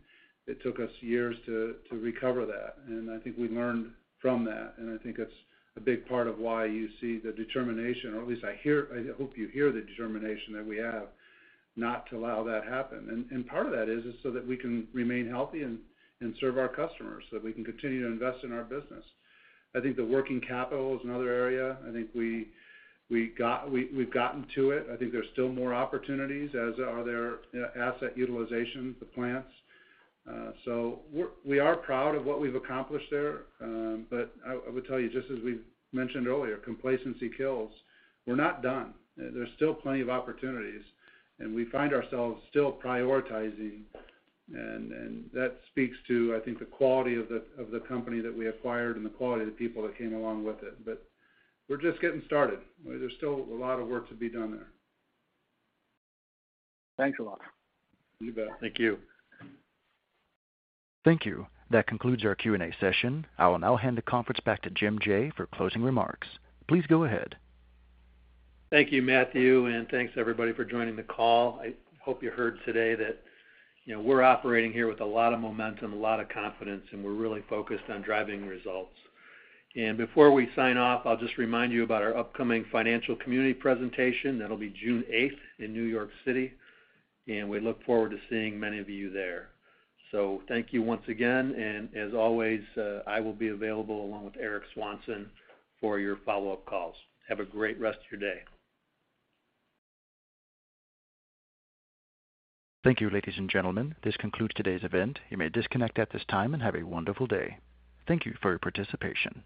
C: it took us years to recover that. I think we learned from that. I think that's a big part of why you see the determination, or at least I hope you hear the determination that we have not to allow that happen. Part of that is so that we can remain healthy and serve our customers, so that we can continue to invest in our business. I think the working capital is another area. I think we've gotten to it. I think there's still more opportunities, as there are asset utilization of the plants. We are proud of what we've accomplished there. I would tell you, just as we mentioned earlier, complacency kills. We're not done. There's still plenty of opportunities, and we find ourselves still prioritizing. That speaks to, I think, the quality of the company that we acquired and the quality of the people that came along with it. We're just getting started. There's still a lot of work to be done there.
V: Thanks a lot.
C: You bet.
E: Thank you.
A: Thank you. That concludes our Q&A session. I will now hand the conference back to Jim Jaye for closing remarks. Please go ahead.
B: Thank you, Matthew, and thanks everybody for joining the call. I hope you heard today that, you know, we're operating here with a lot of momentum, a lot of confidence, and we're really focused on driving results. Before we sign off, I'll just remind you about our upcoming financial community presentation. That'll be June eighth in New York City, and we look forward to seeing many of you there. Thank you once again, and as always, I will be available along with Eric Swanson for your follow-up calls. Have a grat rest of your day.
A: Thank you, ladies and gentlemen. This concludes today's event. You may disconnect at this time, and have a wonderful day. Thank you for your participation.